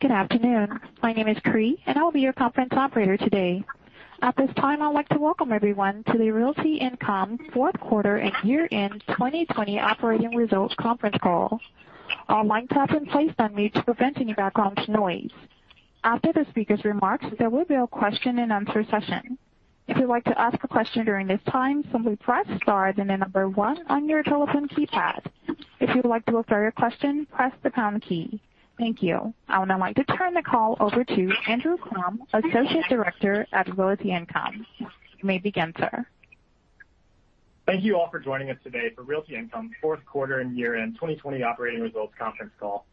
Good afternoon. My name is Cree, and I will be your conference operator today. At this time, I'd like to welcome everyone to the Realty Income fourth quarter and year-end 2020 operating results conference call. All lines have been placed on mute to prevent any background noise. After the speakers' remarks, there will be a question and answer session. If you'd like to ask a question during this time, simply press star, then the number one on your telephone keypad. If you'd like to withdraw your question, press the pound key. Thank you. I would now like to turn the call over to Andrew Crum, Associate Director at Realty Income. You may begin, sir. Thank you all for joining us today for Realty Income fourth quarter and year-end 2020 operating results conference call.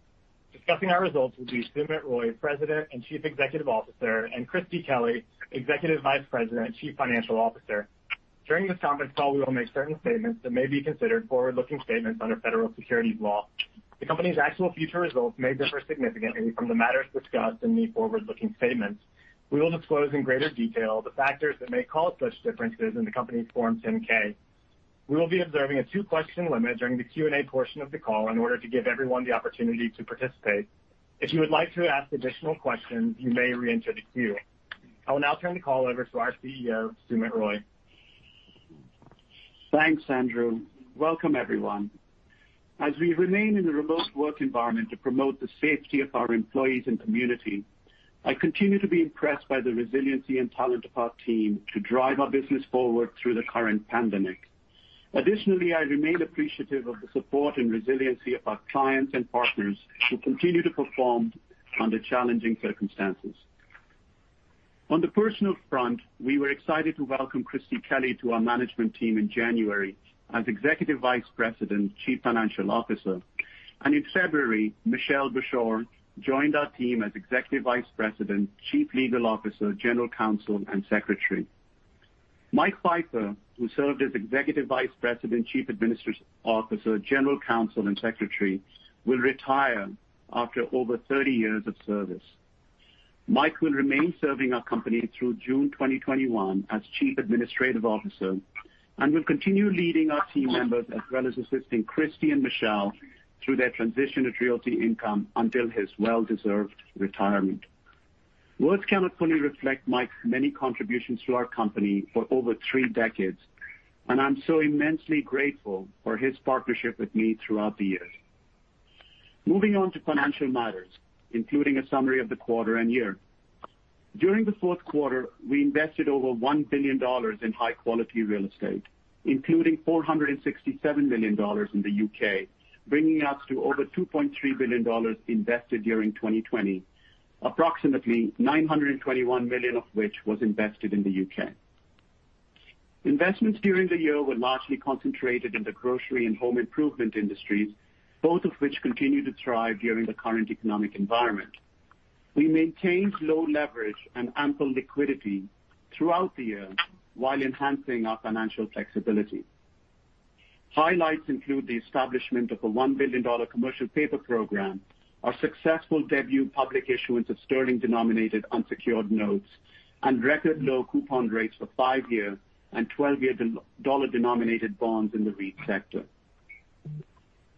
Discussing our results will be Sumit Roy, President and Chief Executive Officer, and Christie Kelly, Executive Vice President and Chief Financial Officer. During this conference call, we will make certain statements that may be considered forward-looking statements under federal securities law. The company's actual future results may differ significantly from the matters discussed in the forward-looking statements. We will disclose in greater detail the factors that may cause such differences in the company's Form 10-K. We will be observing a two-question limit during the Q&A portion of the call in order to give everyone the opportunity to participate. If you would like to ask additional questions, you may re-enter the queue. I will now turn the call over to our CEO, Sumit Roy. Thanks, Andrew. Welcome everyone. As we remain in the remote work environment to promote the safety of our employees and community, I continue to be impressed by the resiliency and talent of our team to drive our business forward through the current pandemic. Additionally, I remain appreciative of the support and resiliency of our clients and partners who continue to perform under challenging circumstances. On the personal front, we were excited to welcome Christie Kelly to our management team in January as Executive Vice President, Chief Financial Officer, and in February, Michelle Bushore joined our team as Executive Vice President, Chief Legal Officer, General Counsel, and Secretary. Mike Pfeiffer, who served as Executive Vice President, Chief Administrative Officer, General Counsel, and Secretary, will retire after over 30 years of service. Mike will remain serving our company through June 2021 as Chief Administrative Officer and will continue leading our team members as well as assisting Christie and Michelle through their transition at Realty Income until his well-deserved retirement. Words cannot fully reflect Mike's many contributions to our company for over three decades, and I'm so immensely grateful for his partnership with me throughout the years. Moving on to financial matters, including a summary of the quarter and year. During the fourth quarter, we invested over $1 billion in high-quality real estate, including $467 million in the U.K., bringing us to over $2.3 billion invested during 2020, approximately $921 million of which was invested in the U.K. Investments during the year were largely concentrated in the grocery and home improvement industries, both of which continue to thrive during the current economic environment. We maintained low leverage and ample liquidity throughout the year while enhancing our financial flexibility. Highlights include the establishment of a $1 billion commercial paper program, our successful debut public issuance of sterling-denominated unsecured notes, and record low coupon rates for 5-year and 12-year dollar-denominated bonds in the REIT sector.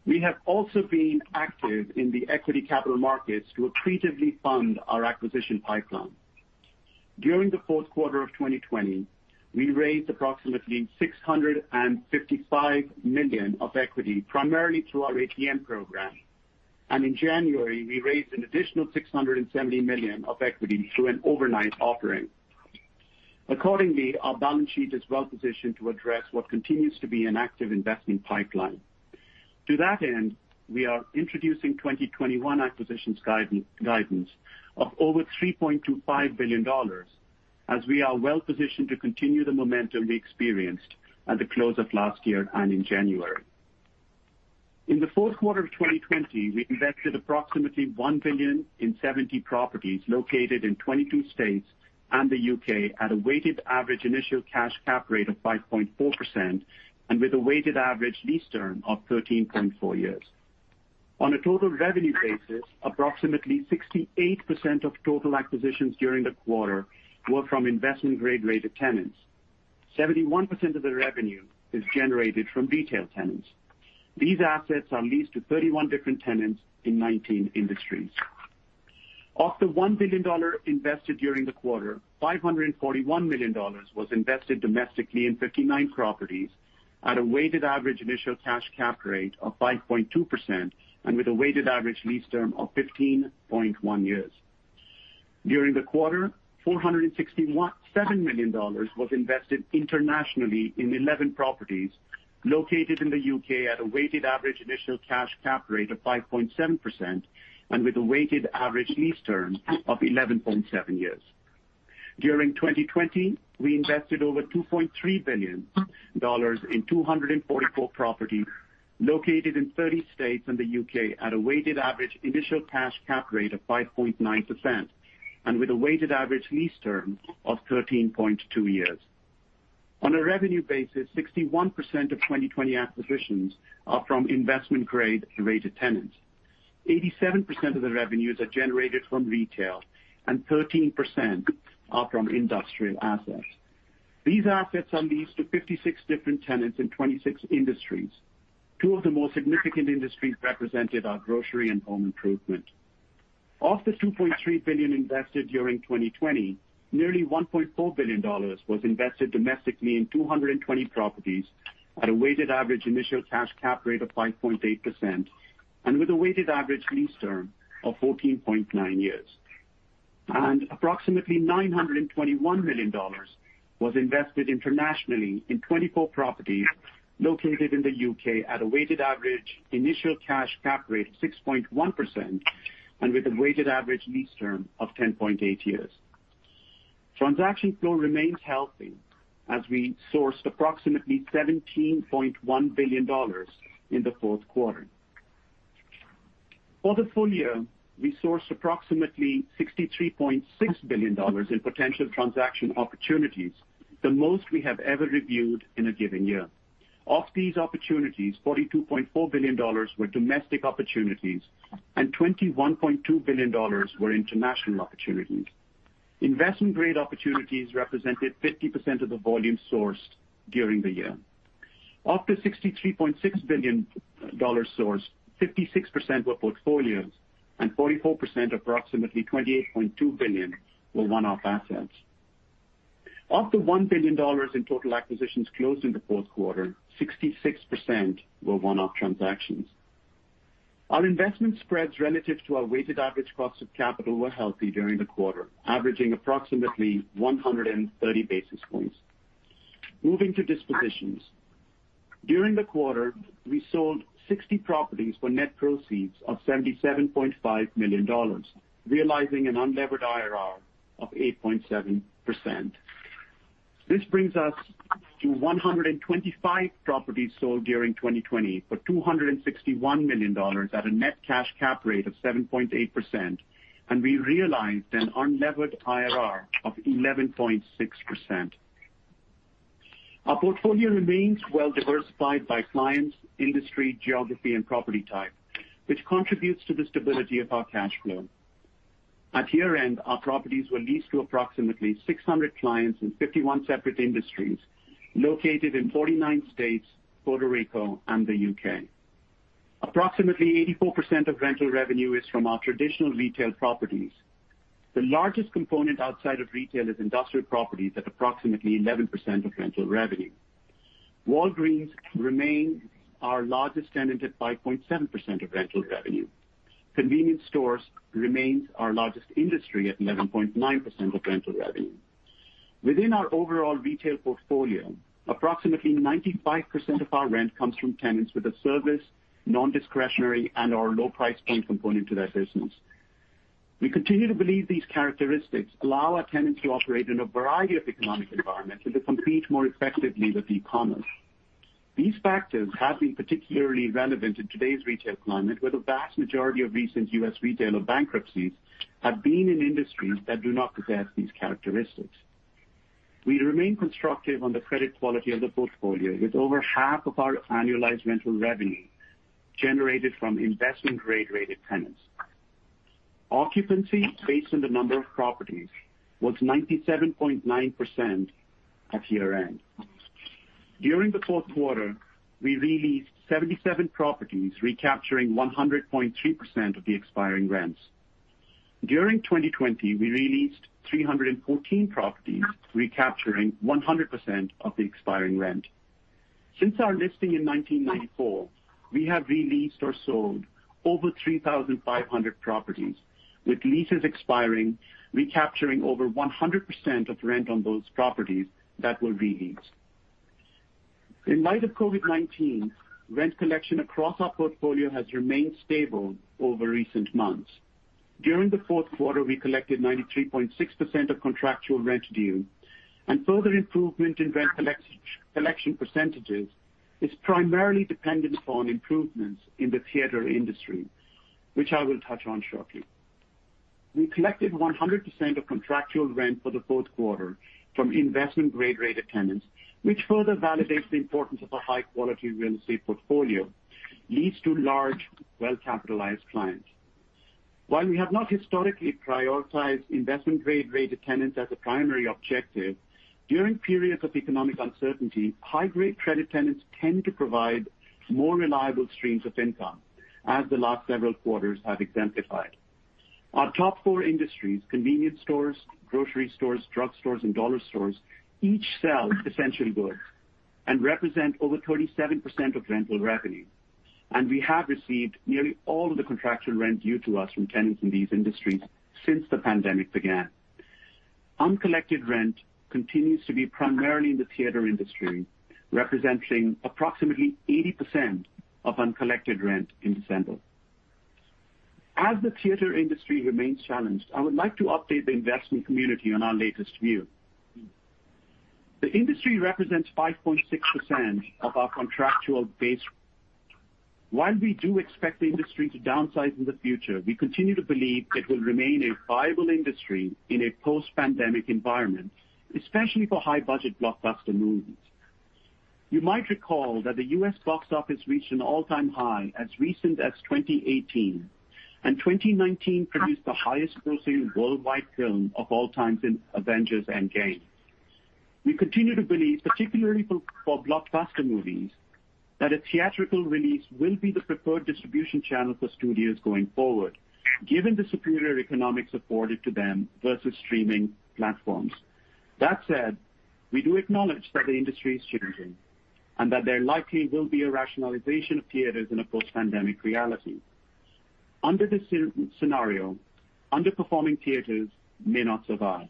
We have also been active in the equity capital markets to accretively fund our acquisition pipeline. During the fourth quarter of 2020, we raised approximately $655 million of equity, primarily through our ATM program, and in January, we raised an additional $670 million of equity through an overnight offering. Accordingly, our balance sheet is well positioned to address what continues to be an active investment pipeline. To that end, we are introducing 2021 acquisitions guidance of over $3.25 billion, as we are well positioned to continue the momentum we experienced at the close of last year and in January. In the fourth quarter of 2020, we invested approximately $1 billion in 70 properties located in 22 states and the U.K. at a weighted average initial cash cap rate of 5.4% and with a weighted average lease term of 13.4 years. On a total revenue basis, approximately 68% of total acquisitions during the quarter were from investment-grade rated tenants. 71% of the revenue is generated from retail tenants. These assets are leased to 31 different tenants in 19 industries. Of the $1 billion invested during the quarter, $541 million was invested domestically in 59 properties at a weighted average initial cash cap rate of 5.2% and with a weighted average lease term of 15.1 years. During the quarter, $467 million was invested internationally in 11 properties located in the U.K. at a weighted average initial cash cap rate of 5.7% and with a weighted average lease term of 11.7 years. During 2020, we invested over $2.3 billion in 244 properties located in 30 states and the U.K. at a weighted average initial cash cap rate of 5.9% and with a weighted average lease term of 13.2 years. On a revenue basis, 61% of 2020 acquisitions are from investment-grade rated tenants. 87% of the revenues are generated from retail, and 13% are from industrial assets. These assets are leased to 56 different tenants in 26 industries. Two of the most significant industries represented are grocery and home improvement. Of the $2.3 billion invested during 2020, nearly $1.4 billion was invested domestically in 220 properties at a weighted average initial cash cap rate of 5.8%, and with a weighted average lease term of 14.9 years. Approximately $921 million was invested internationally in 24 properties located in the U.K. at a weighted average initial cash cap rate of 6.1%, with a weighted average lease term of 10.8 years. Transaction flow remains healthy as we sourced approximately $17.1 billion in the fourth quarter. For the full year, we sourced approximately $63.6 billion in potential transaction opportunities, the most we have ever reviewed in a given year. Of these opportunities, $42.4 billion were domestic opportunities and $21.2 billion were international opportunities. Investment-grade opportunities represented 50% of the volume sourced during the year. Of the $63.6 billion sourced, 56% were portfolios and 44%, approximately $28.2 billion, were one-off assets. Of the $1 billion in total acquisitions closed in the fourth quarter, 66% were one-off transactions. Our investment spreads relative to our weighted average cost of capital were healthy during the quarter, averaging approximately 130 basis points. Moving to dispositions. During the quarter, we sold 60 properties for net proceeds of $77.5 million, realizing an unlevered IRR of 8.7%. This brings us to 125 properties sold during 2020 for $261 million at a net cash cap rate of 7.8%, and we realized an unlevered IRR of 11.6%. Our portfolio remains well-diversified by clients, industry, geography and property type, which contributes to the stability of our cash flow. At year-end, our properties were leased to approximately 600 clients in 51 separate industries located in 49 states, Puerto Rico and the U.K. Approximately 84% of rental revenue is from our traditional retail properties. The largest component outside of retail is industrial properties at approximately 11% of rental revenue. Walgreens remains our largest tenant at 5.7% of rental revenue. Convenience stores remains our largest industry at 11.9% of rental revenue. Within our overall retail portfolio, approximately 95% of our rent comes from tenants with a service, non-discretionary, and/or low price point component to their business. We continue to believe these characteristics allow our tenants to operate in a variety of economic environments and to compete more effectively with e-commerce. These factors have been particularly relevant in today's retail climate, where the vast majority of recent U.S. retailer bankruptcies have been in industries that do not possess these characteristics. We remain constructive on the credit quality of the portfolio, with over half of our annualized rental revenue generated from investment-grade-rated tenants. Occupancy based on the number of properties was 97.9% at year-end. During the fourth quarter, we re-leased 77 properties, recapturing 100.3% of the expiring rents. During 2020, we re-leased 314 properties, recapturing 100% of the expiring rent. Since our listing in 1994, we have re-leased or sold over 3,500 properties, with leases expiring, recapturing over 100% of rent on those properties that were re-leased. In light of COVID-19, rent collection across our portfolio has remained stable over recent months. During the fourth quarter, we collected 93.6% of contractual rent due. Further improvement in rent collection percentages is primarily dependent upon improvements in the theater industry, which I will touch on shortly. We collected 100% of contractual rent for the fourth quarter from investment-grade-rated tenants, which further validates the importance of a high-quality real estate portfolio leased to large, well-capitalized clients. While we have not historically prioritized investment-grade-rated tenants as a primary objective, during periods of economic uncertainty, high-grade credit tenants tend to provide more reliable streams of income, as the last several quarters have exemplified. Our top four industries, convenience stores, grocery stores, drug stores, and dollar stores, each sell essential goods and represent over 37% of rental revenue. We have received nearly all of the contractual rent due to us from tenants in these industries since the pandemic began. Uncollected rent continues to be primarily in the theater industry, representing approximately 80% of uncollected rent in December. As the theater industry remains challenged, I would like to update the investment community on our latest view. The industry represents 5.6% of our contractual base. While we do expect the industry to downsize in the future, we continue to believe it will remain a viable industry in a post-pandemic environment, especially for high-budget blockbuster movies. You might recall that the U.S. box office reached an all-time high as recent as 2018, and 2019 produced the highest grossing worldwide film of all time in "Avengers: Endgame." We continue to believe, particularly for blockbuster movies, that a theatrical release will be the preferred distribution channel for studios going forward, given the superior economics afforded to them versus streaming platforms. That said, we do acknowledge that the industry is changing, and that there likely will be a rationalization of theaters in a post-pandemic reality. Under this scenario, underperforming theaters may not survive.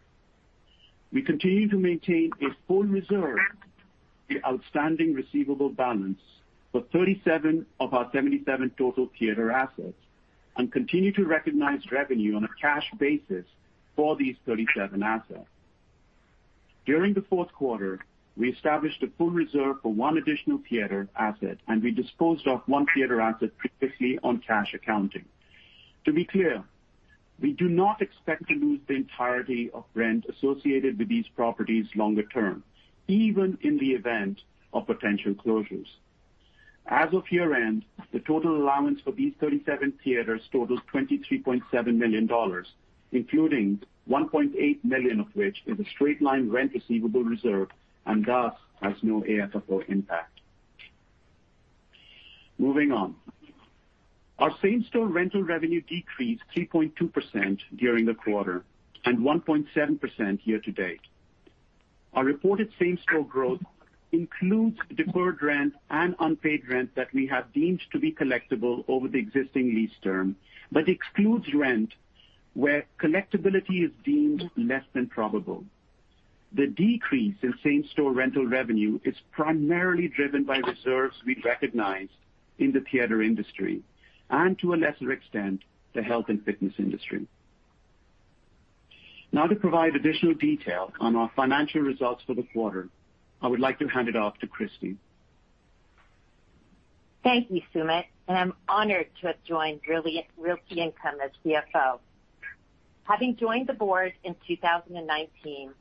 We continue to maintain a full reserve, the outstanding receivable balance for 37 of our 77 total theater assets, and continue to recognize revenue on a cash basis for these 37 assets. During the fourth quarter, we established a full reserve for one additional theater asset, and we disposed off one theater asset previously on cash accounting. To be clear, we do not expect to lose the entirety of rent associated with these properties longer term, even in the event of potential closures. As of year-end, the total allowance for these 37 theaters totals $23.7 million, including $1.8 million of which is a straight-line rent receivable reserve and thus has no AFFO impact. Moving on. Our same-store rental revenue decreased 3.2% during the quarter and 1.7% year-to-date. Our reported same-store growth includes deferred rent and unpaid rent that we have deemed to be collectible over the existing lease term, but excludes rent where collectibility is deemed less than probable. The decrease in same-store rental revenue is primarily driven by reserves we recognized in the theater industry, and to a lesser extent, the health and fitness industry. To provide additional detail on our financial results for the quarter, I would like to hand it off to Christie. Thank you, Sumit, and I'm honored to have joined Realty Income as CFO. Having joined the board in 2019,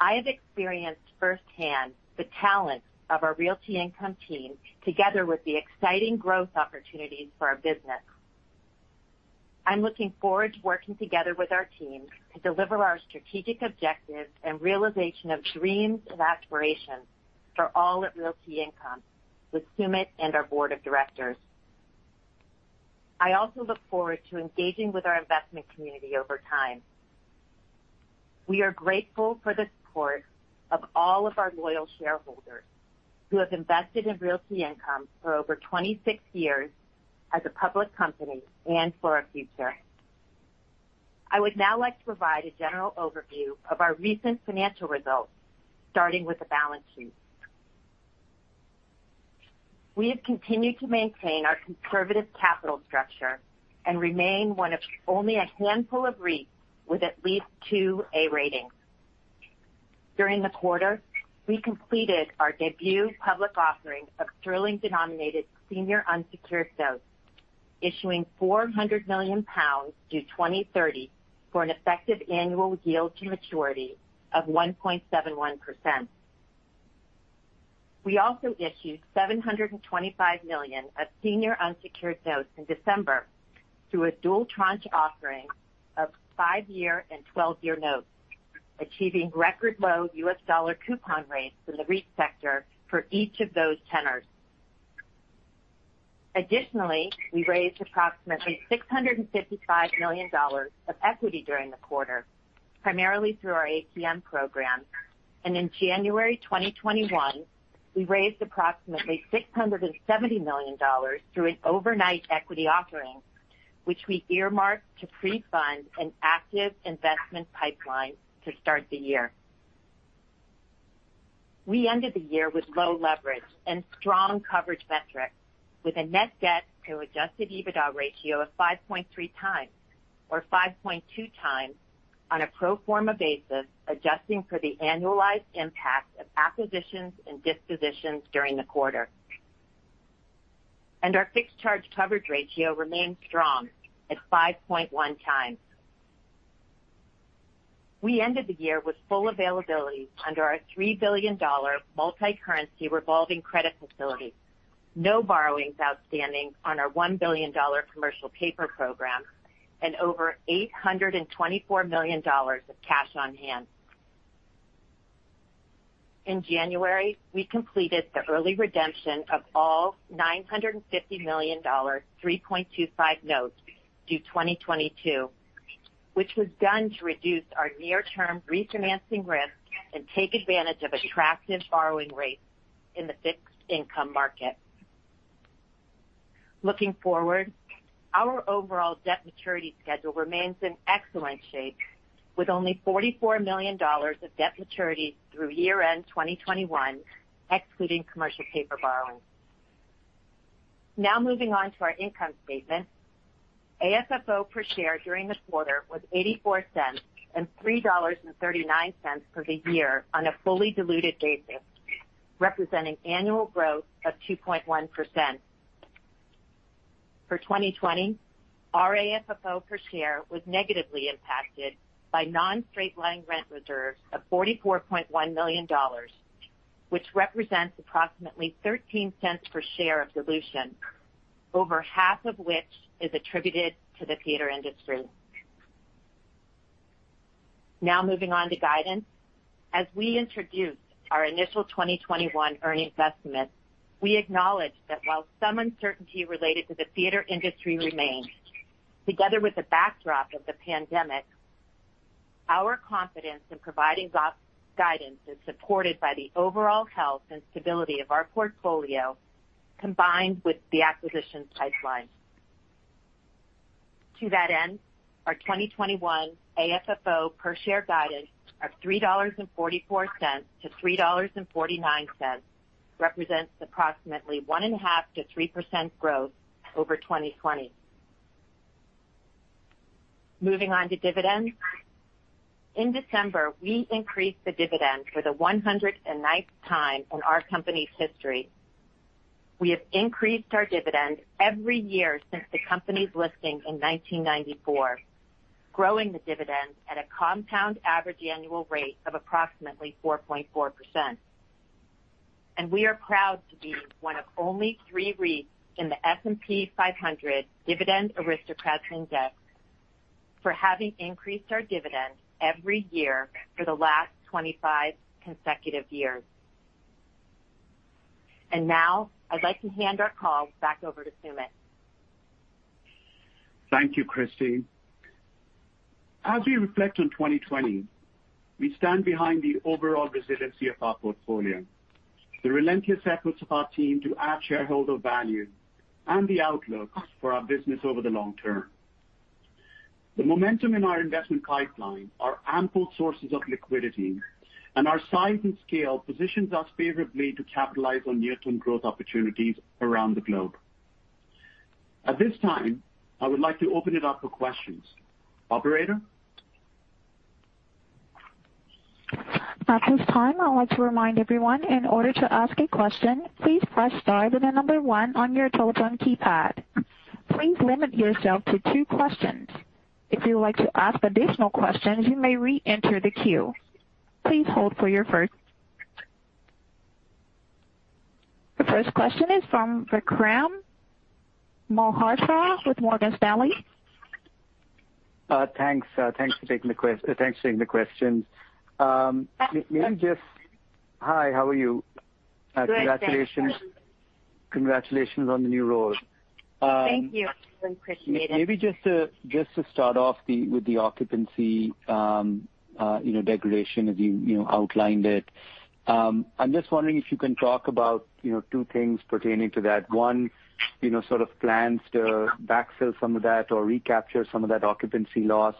I have experienced firsthand the talent of our Realty Income team, together with the exciting growth opportunities for our business. I'm looking forward to working together with our team to deliver our strategic objectives and realization of dreams and aspirations for all at Realty Income with Sumit and our board of directors. I also look forward to engaging with our investment community over time. We are grateful for the support of all of our loyal shareholders who have invested in Realty Income for over 26 years as a public company and for our future. I would now like to provide a general overview of our recent financial results, starting with the balance sheet. We have continued to maintain our conservative capital structure and remain one of only a handful of REITs with at least two A ratings. During the quarter, we completed our debut public offering of sterling-denominated senior unsecured notes, issuing 400 million pounds due 2030 for an effective annual yield to maturity of 1.71%. We also issued $725 million of senior unsecured notes in December through a dual tranche offering of five-year and 12-year notes, achieving record low U.S. dollar coupon rates in the REIT sector for each of those tenors. We raised approximately $655 million of equity during the quarter, primarily through our ATM program. In January 2021, we raised approximately $670 million through an overnight equity offering, which we earmarked to pre-fund an active investment pipeline to start the year. We ended the year with low leverage and strong coverage metrics with a net debt to adjusted EBITDA ratio of 5.3x, or 5.2x on a pro forma basis, adjusting for the annualized impact of acquisitions and dispositions during the quarter. Our fixed charge coverage ratio remains strong at 5.1x. We ended the year with full availability under our $3 billion multi-currency revolving credit facility, no borrowings outstanding on our $1 billion commercial paper program, and over $824 million of cash on hand. In January, we completed the early redemption of all $950 million 3.25% notes due 2022, which was done to reduce our near-term refinancing risk and take advantage of attractive borrowing rates in the fixed income market. Looking forward, our overall debt maturity schedule remains in excellent shape, with only $44 million of debt maturity through year-end 2021, excluding commercial paper borrowings. Moving on to our income statement. AFFO per share during the quarter was $0.84 and $3.39 for the year on a fully diluted basis, representing annual growth of 2.1%. For 2020, our AFFO per share was negatively impacted by non-straight line rent reserves of $44.1 million, which represents approximately $0.13 per share of dilution, over half of which is attributed to the theater industry. Moving on to guidance. As we introduced our initial 2021 earnings estimate, we acknowledged that while some uncertainty related to the theater industry remains, together with the backdrop of the pandemic, our confidence in providing guidance is supported by the overall health and stability of our portfolio, combined with the acquisition pipeline. To that end, our 2021 AFFO per share guidance of $3.44-$3.49 represents approximately 1.5%-3% growth over 2020. Moving on to dividends. In December, we increased the dividend for the 109th time in our company's history. We have increased our dividend every year since the company's listing in 1994, growing the dividend at a compound average annual rate of approximately 4.4%. We are proud to be one of only three REITs in the S&P 500 Dividend Aristocrats Index for having increased our dividend every year for the last 25 consecutive years. Now I'd like to hand our call back over to Sumit. Thank you, Christie. As we reflect on 2020, we stand behind the overall resiliency of our portfolio, the relentless efforts of our team to add shareholder value, and the outlook for our business over the long term. The momentum in our investment pipeline are ample sources of liquidity, and our size and scale positions us favorably to capitalize on near-term growth opportunities around the globe. At this time, I would like to open it up for questions. Operator? At this time, I'd like to remind everyone, in order to ask a question, please press star, then the number one on your telephone keypad. Please limit yourself to two questions. If you would like to ask additional questions, you may re-enter the queue. The first question is from Vikram Malhotra with Morgan Stanley. Thanks for taking the questions. Good, thanks. Hi, how are you? Good, thanks. Congratulations on the new role. Thank you. I appreciate it. Maybe just to start off with the occupancy degradation as you outlined it. I'm just wondering if you can talk about two things pertaining to that. One, sort of plans to backfill some of that or recapture some of that occupancy loss.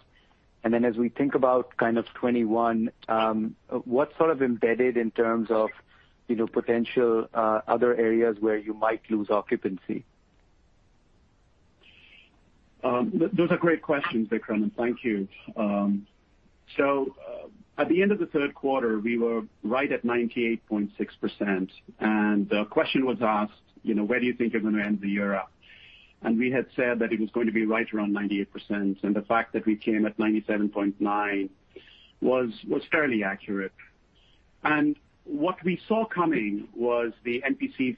Then as we think about kind of 2021, what's sort of embedded in terms of potential other areas where you might lose occupancy? Those are great questions, Vikram. Thank you. At the end of the third quarter, we were right at 98.6%. The question was asked, where do you think you're going to end the year up? We had said that it was going to be right around 98%. The fact that we came at 97.9% was fairly accurate. What we saw coming was the NPC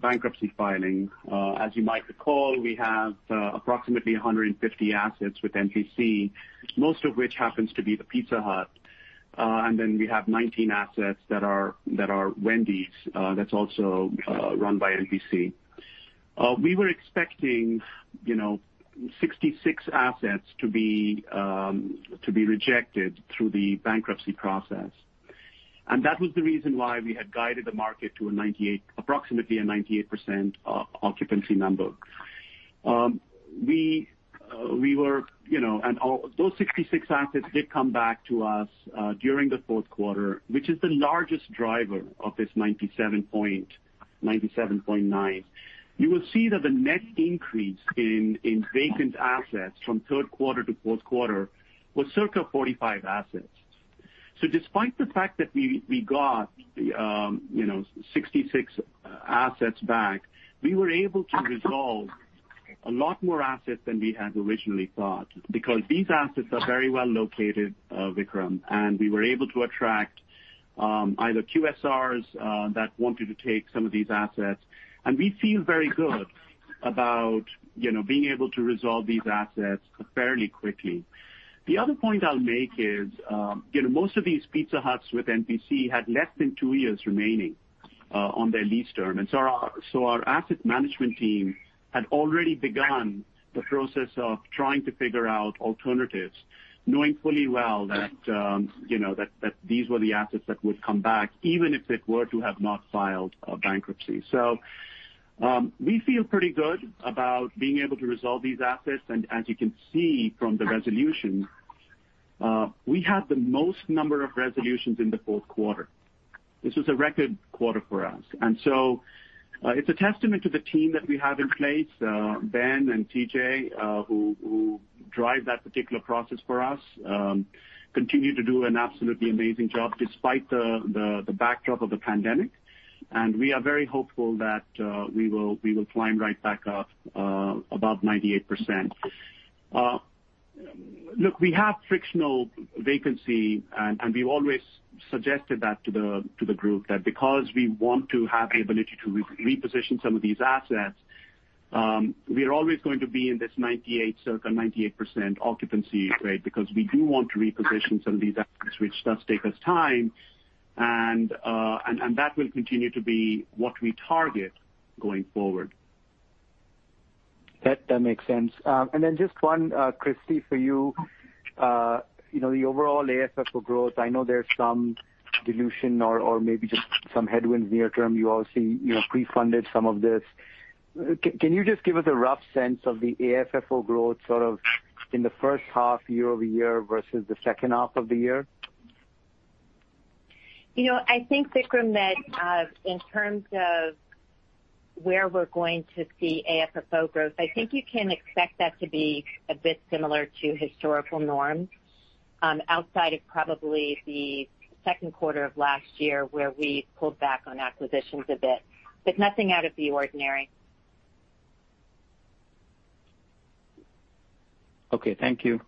bankruptcy filing. As you might recall, we have approximately 150 assets with NPC, most of which happens to be the Pizza Hut. We have 19 assets that are Wendy's, that's also run by NPC. We were expecting 66 assets to be rejected through the bankruptcy process. That was the reason why we had guided the market to approximately a 98% occupancy number. Those 66 assets did come back to us during the fourth quarter, which is the largest driver of this 97.9. You will see that the net increase in vacant assets from third quarter to fourth quarter was circa 45 assets. Despite the fact that we got 66 assets back, we were able to resolve a lot more assets than we had originally thought because these assets are very well located, Vikram, and we were able to attract either QSRs that wanted to take some of these assets. We feel very good about being able to resolve these assets fairly quickly. The other point I'll make is most of these Pizza Huts with NPC had less than two years remaining on their lease term. Our asset management team had already begun the process of trying to figure out alternatives, knowing fully well that these were the assets that would come back even if it were to have not filed bankruptcy. We feel pretty good about being able to resolve these assets. As you can see from the resolution, we had the most number of resolutions in the fourth quarter. This was a record quarter for us. It's a testament to the team that we have in place. Ben and TJ, who drive that particular process for us, continue to do an absolutely amazing job despite the backdrop of the pandemic. We are very hopeful that we will climb right back up above 98%. Look, we have frictional vacancy, and we've always suggested that to the group, that because we want to have the ability to reposition some of these assets, we are always going to be in this circa 98% occupancy rate, because we do want to reposition some of these assets, which does take us time. That will continue to be what we target going forward. That makes sense. Just one, Christie, for you. The overall AFFO growth, I know there's some dilution or maybe just some headwinds near term. You obviously pre-funded some of this. Can you just give us a rough sense of the AFFO growth sort of in the first half year-over-year versus the second half of the year? I think, Vikram, that in terms of where we're going to see AFFO growth, I think you can expect that to be a bit similar to historical norms outside of probably the second quarter of last year, where we pulled back on acquisitions a bit, but nothing out of the ordinary. Okay. Thank you.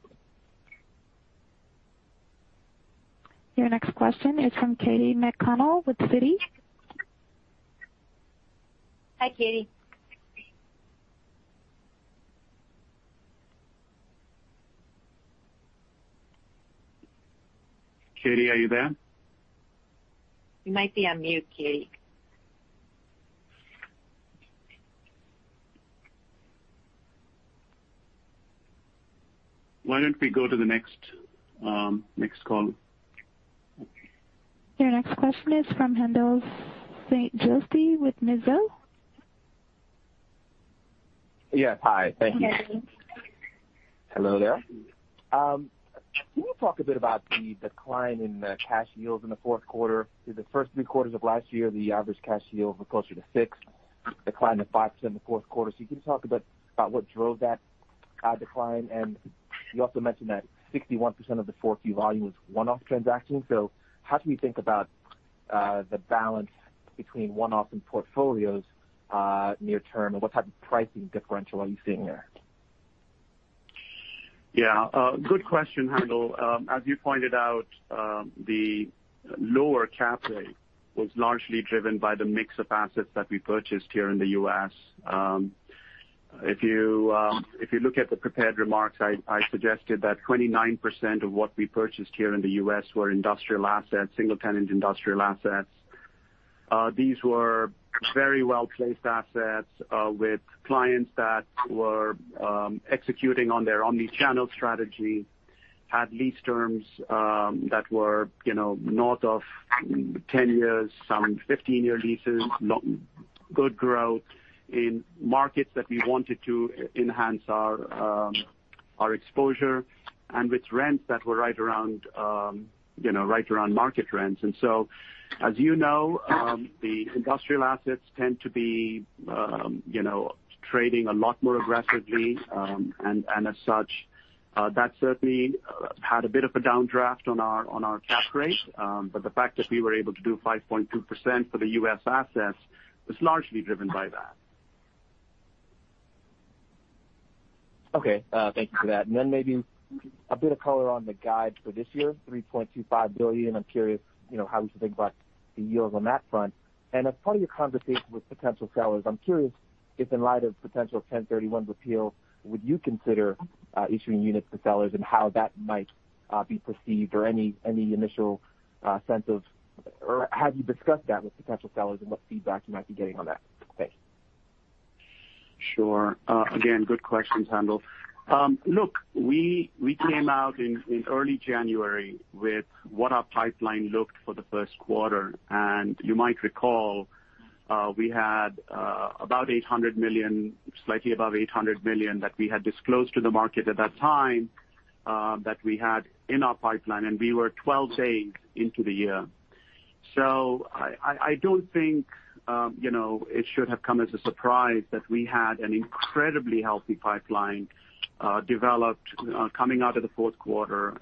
Your next question is from Katy McConnell with Citi. Hi, Katy. Katy, are you there? You might be on mute, Katy. Why don't we go to the next call? Your next question is from Haendel St. Juste with Mizuho. Yes. Hi. Thank you. Hi, Haendel. Hello there. Can you talk a bit about the decline in the cash yields in the fourth quarter? Through the first three quarters of last year, the average cash yield was closer to six, decline to 5% in the fourth quarter. Can you talk a bit about what drove that decline? You also mentioned that 61% of the 4Q volume was one-off transactions. How do we think about the balance between one-off and portfolios near term, and what type of pricing differential are you seeing there? Yeah. Good question, Haendel. As you pointed out, the lower cap rate was largely driven by the mix of assets that we purchased here in the U.S. If you look at the prepared remarks, I suggested that 29% of what we purchased here in the U.S. were industrial assets, single-tenant industrial assets. These were very well-placed assets with clients that were executing on their omni-channel strategy, had lease terms that were north of 10 years, some 15-year leases, good growth in markets that we wanted to enhance our exposure, and with rents that were right around market rents. As you know, the industrial assets tend to be trading a lot more aggressively, and as such, that certainly had a bit of a downdraft on our cap rate. The fact that we were able to do 5.2% for the U.S. assets was largely driven by that. Okay. Thank you for that. Then maybe a bit of color on the guide for this year, $3.25 billion. I'm curious how we should think about the yields on that front. As part of your conversation with potential sellers, I'm curious if in light of potential 1031s appeal, would you consider issuing OP units to sellers and how that might be perceived or have you discussed that with potential sellers and what feedback you might be getting on that space? Sure. Again, good questions, Haendel. We came out in early January with what our pipeline looked for the first quarter, and you might recall, we had slightly above $800 million that we had disclosed to the market at that time that we had in our pipeline, and we were 12 days into the year. I don't think it should have come as a surprise that we had an incredibly healthy pipeline developed coming out of the fourth quarter.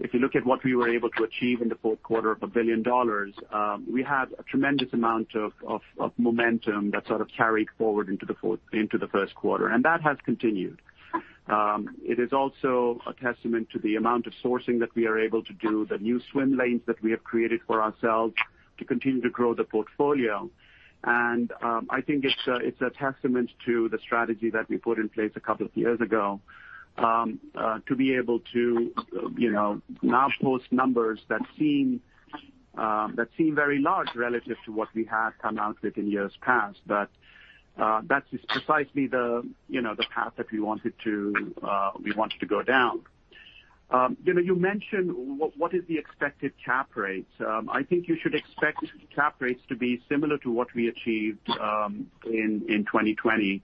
If you look at what we were able to achieve in the fourth quarter of $1 billion, we had a tremendous amount of momentum that sort of carried forward into the first quarter, and that has continued. It is also a testament to the amount of sourcing that we are able to do, the new swim lanes that we have created for ourselves to continue to grow the portfolio. I think it's a testament to the strategy that we put in place a couple of years ago to be able to now post numbers that seem very large relative to what we had come out with in years past. That is precisely the path that we wanted to go down. You mentioned what is the expected cap rates. I think you should expect cap rates to be similar to what we achieved in 2020.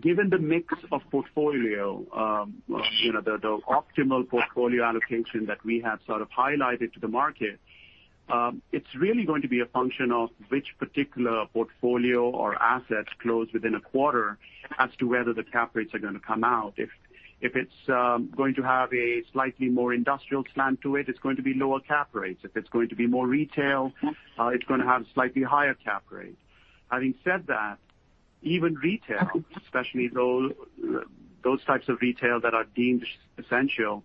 Given the mix of portfolio, the optimal portfolio allocation that we have sort of highlighted to the market, it's really going to be a function of which particular portfolio or assets close within a quarter as to whether the cap rates are going to come out. If it's going to have a slightly more industrial slant to it's going to be lower cap rates. If it's going to be more retail, it's going to have slightly higher cap rates. Having said that, even retail, especially those types of retail that are deemed essential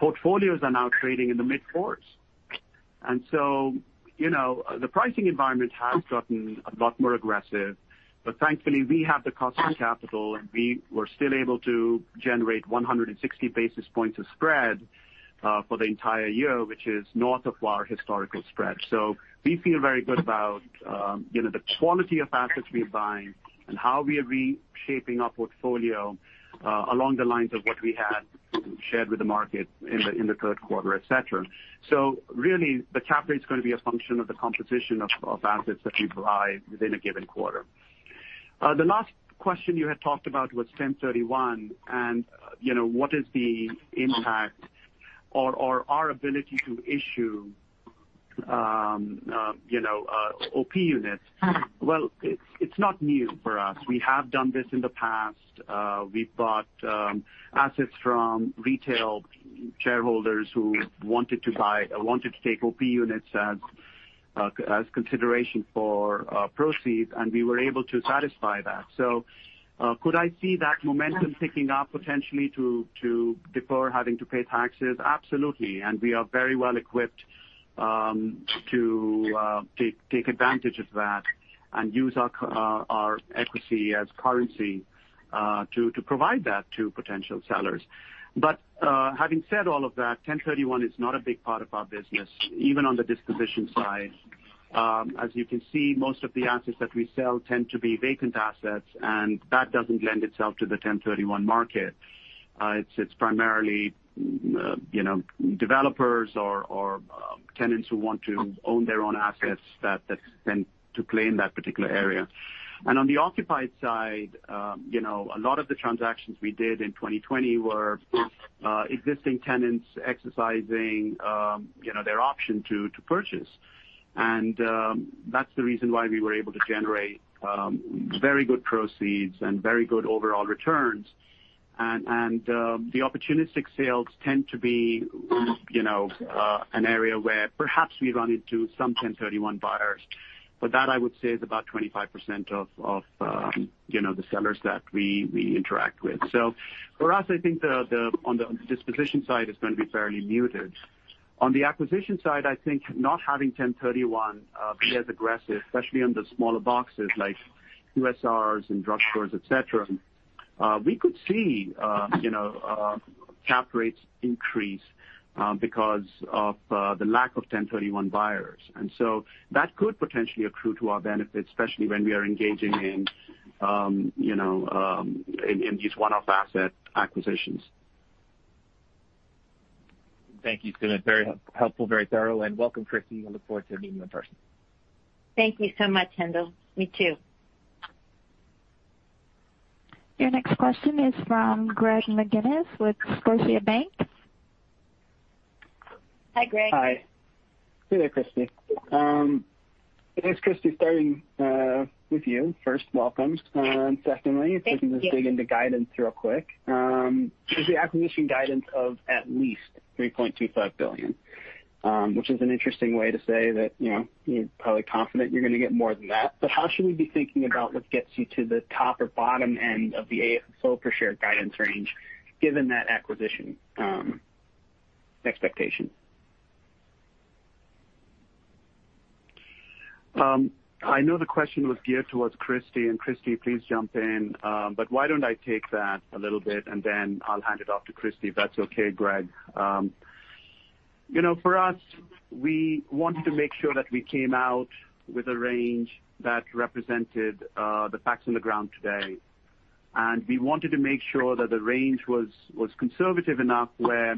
portfolios are now trading in the mid-fours. The pricing environment has gotten a lot more aggressive. Thankfully, we have the cost of capital, and we were still able to generate 160 basis points of spread for the entire year, which is north of our historical spread. We feel very good about the quality of assets we buying and how we are reshaping our portfolio along the lines of what we had shared with the market in the third quarter, et cetera. Really, the cap rate's going to be a function of the composition of assets that we buy within a given quarter. The last question you had talked about was 1031, and what is the impact or our ability to issue OP units. It's not new for us. We have done this in the past. We've bought assets from retail shareholders who wanted to take OP units as consideration for proceeds, and we were able to satisfy that. Could I see that momentum picking up potentially to defer having to pay taxes? Absolutely. We are very well equipped to take advantage of that and use our equity as currency to provide that to potential sellers. Having said all of that, 1031 is not a big part of our business, even on the disposition side. As you can see, most of the assets that we sell tend to be vacant assets, and that doesn't lend itself to the 1031 market. It's primarily developers or tenants who want to own their own assets that tend to play in that particular area. On the occupied side, a lot of the transactions we did in 2020 were existing tenants exercising their option to purchase. That's the reason why we were able to generate very good proceeds and very good overall returns. The opportunistic sales tend to be an area where perhaps we run into some 1031 buyers. That, I would say, is about 25% of the sellers that we interact with. For us, I think on the disposition side, it's going to be fairly muted. On the acquisition side, I think not having 1031 be as aggressive, especially on the smaller boxes like QSRs and drugstores, et cetera, we could see cap rates increase because of the lack of 1031 buyers. That could potentially accrue to our benefit, especially when we are engaging in these one-off asset acquisitions. Thank you, Sumit. Very helpful, very thorough. Welcome, Christie. I look forward to meeting you in person. Thank you so much, Haendel. Me too. Your next question is from Greg McGinniss with Scotiabank. Hi, Greg. Hi. Good day, Christie. Thanks, Christie. Starting with you, first, welcome. Thank you. Secondly, if we can just dig into guidance real quick. There's the acquisition guidance of at least $3.25 billion, which is an interesting way to say that you're probably confident you're going to get more than that. How should we be thinking about what gets you to the top or bottom end of the AFFO per share guidance range, given that acquisition expectation? I know the question was geared towards Christie, please jump in. Why don't I take that a little bit, and then I'll hand it off to Christie, if that's okay, Greg. For us, we wanted to make sure that we came out with a range that represented the facts on the ground today. We wanted to make sure that the range was conservative enough where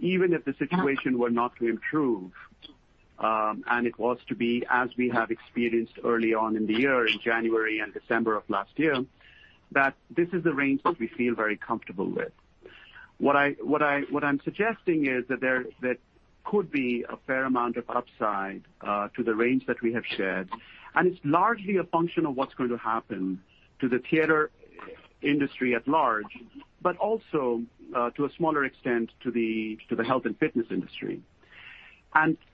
even if the situation were not to improve, and it was to be as we have experienced early on in the year, in January and December of last year, that this is the range that we feel very comfortable with. What I'm suggesting is that there could be a fair amount of upside to the range that we have shared. It's largely a function of what's going to happen to the theater industry at large. Also, to a smaller extent, to the health and fitness industry.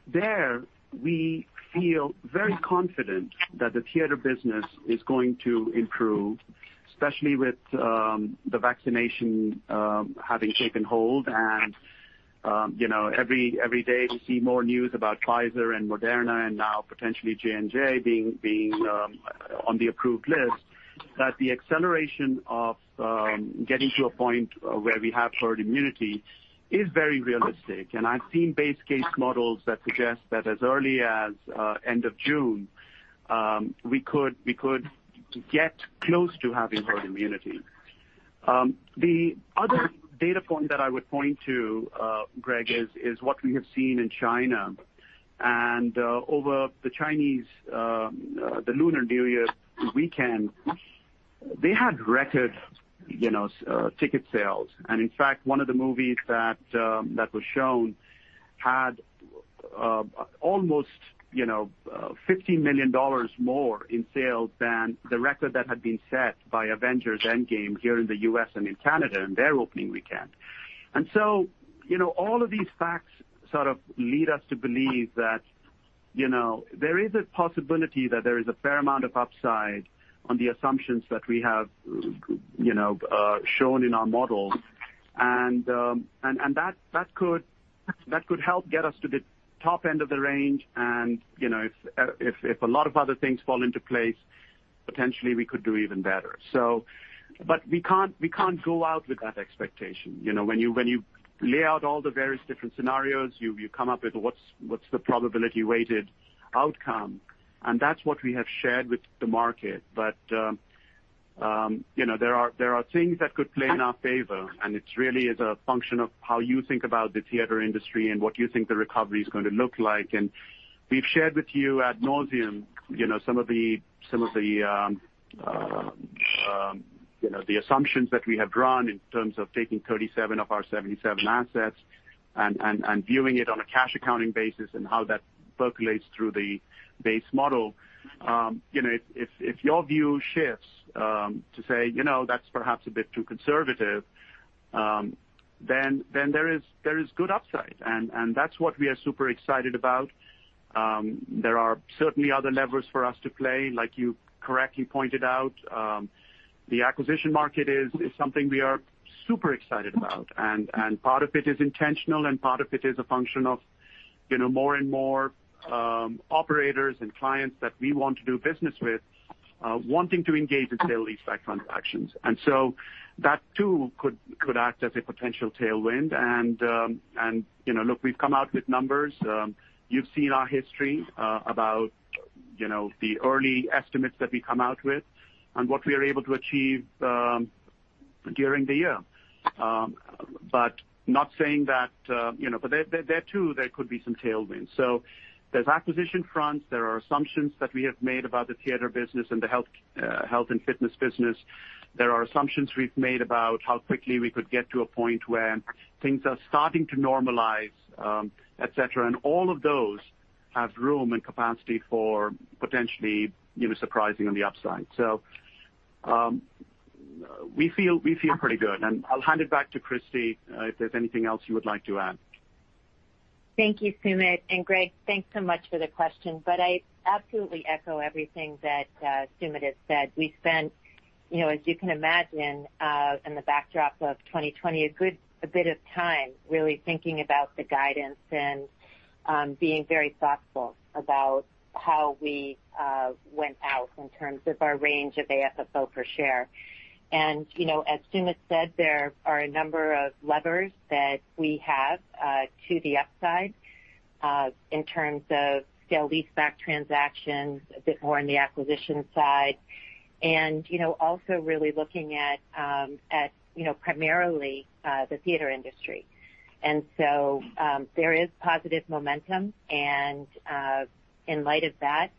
There we feel very confident that the theater business is going to improve, especially with the vaccination having taken hold. Every day we see more news about Pfizer and Moderna, and now potentially J&J being on the approved list, that the acceleration of getting to a point where we have herd immunity is very realistic. I've seen base case models that suggest that as early as end of June, we could get close to having herd immunity. The other data point that I would point to, Greg, is what we have seen in China. Over the Chinese Lunar New Year weekend, they had record ticket sales. In fact, one of the movies that was shown had almost $15 million more in sales than the record that had been set by "Avengers: Endgame" here in the U.S. and in Canada in their opening weekend. All of these facts sort of lead us to believe that there is a possibility that there is a fair amount of upside on the assumptions that we have shown in our model. That could help get us to the top end of the range, and if a lot of other things fall into place, potentially we could do even better. We can't go out with that expectation. When you lay out all the various different scenarios, you come up with what's the probability-weighted outcome. That's what we have shared with the market. There are things that could play in our favor, and it really is a function of how you think about the theater industry and what you think the recovery is going to look like. We've shared with you ad nauseam some of the assumptions that we have drawn in terms of taking 37 of our 77 assets and viewing it on a cash accounting basis and how that percolates through the base model. If your view shifts to say, "That's perhaps a bit too conservative," then there is good upside, and that's what we are super excited about. There are certainly other levers for us to play, like you correctly pointed out. The acquisition market is something we are super excited about, and part of it is intentional, and part of it is a function of more and more operators and clients that we want to do business with wanting to engage in sale leaseback transactions. That too could act as a potential tailwind, and look, we've come out with numbers. You've seen our history about the early estimates that we come out with and what we are able to achieve during the year. There too, there could be some tailwinds. There's acquisition fronts. There are assumptions that we have made about the theater business and the health and fitness business. There are assumptions we've made about how quickly we could get to a point where things are starting to normalize, et cetera. All of those have room and capacity for potentially surprising on the upside. We feel pretty good. I'll hand it back to Christie, if there's anything else you would like to add. Thank you, Sumit. Greg, thanks so much for the question. I absolutely echo everything that Sumit has said. We spent, as you can imagine, in the backdrop of 2020, a good bit of time really thinking about the guidance and being very thoughtful about how we went out in terms of our range of AFFO per share. As Sumit said, there are a number of levers that we have to the upside in terms of sale leaseback transactions, a bit more on the acquisition side. Also really looking at primarily the theater industry. There is positive momentum, and in light of that,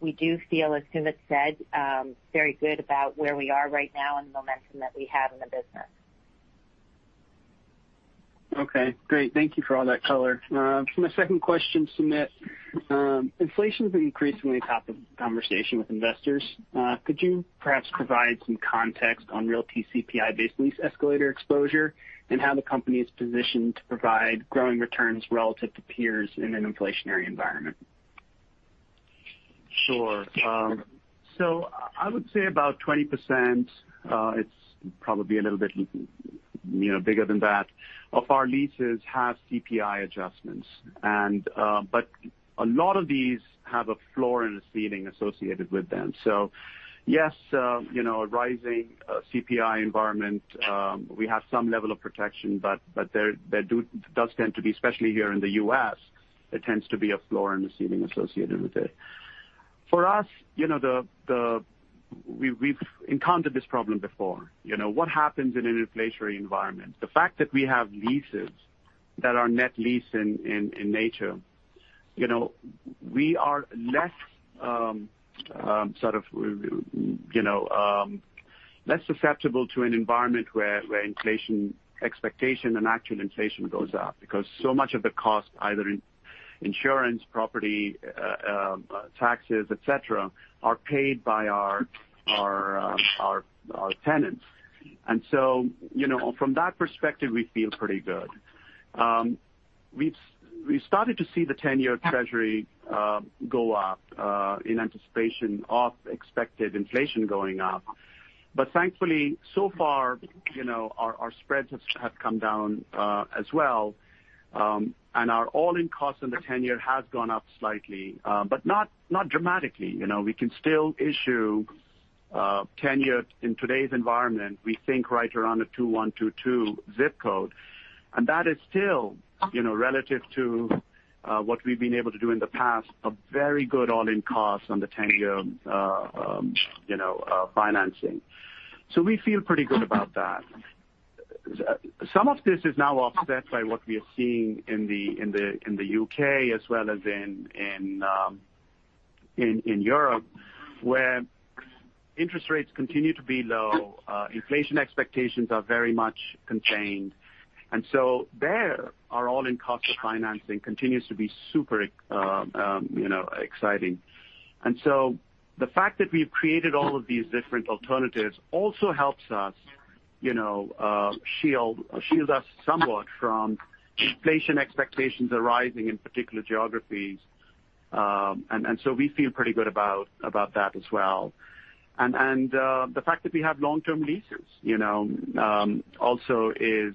we do feel, as Sumit said, very good about where we are right now and the momentum that we have in the business. Okay, great. Thank you for all that color. For my second question, Sumit, inflation has been increasingly top of conversation with investors. Could you perhaps provide some context on Realty's CPI-based lease escalator exposure and how the company is positioned to provide growing returns relative to peers in an inflationary environment? Sure. I would say about 20%, it's probably a little bit bigger than that, of our leases have CPI adjustments. A lot of these have a floor and a ceiling associated with them. Yes, a rising CPI environment, we have some level of protection, but there does tend to be, especially here in the U.S., there tends to be a floor and a ceiling associated with it. For us, we've encountered this problem before. What happens in an inflationary environment? The fact that we have leases that are net lease in nature, we are less susceptible to an environment where inflation expectation and actual inflation goes up because so much of the cost, either in insurance, property, taxes, et cetera, are paid by our tenants. From that perspective, we feel pretty good. We started to see the 10-year Treasury go up in anticipation of expected inflation going up. Thankfully, so far, our spreads have come down as well. Our all-in cost on the 10-year has gone up slightly. Not dramatically. We can still issue 10-year in today's environment, we think right around a 2.1%-2.2% zip code. That is still, relative to what we've been able to do in the past, a very good all-in cost on the 10-year financing. We feel pretty good about that. Some of this is now offset by what we are seeing in the U.K. as well as in Europe, where interest rates continue to be low. Inflation expectations are very much contained. There, our all-in cost of financing continues to be super exciting. The fact that we've created all of these different alternatives also helps us shield us somewhat from inflation expectations arising in particular geographies. We feel pretty good about that as well. The fact that we have long-term leases also is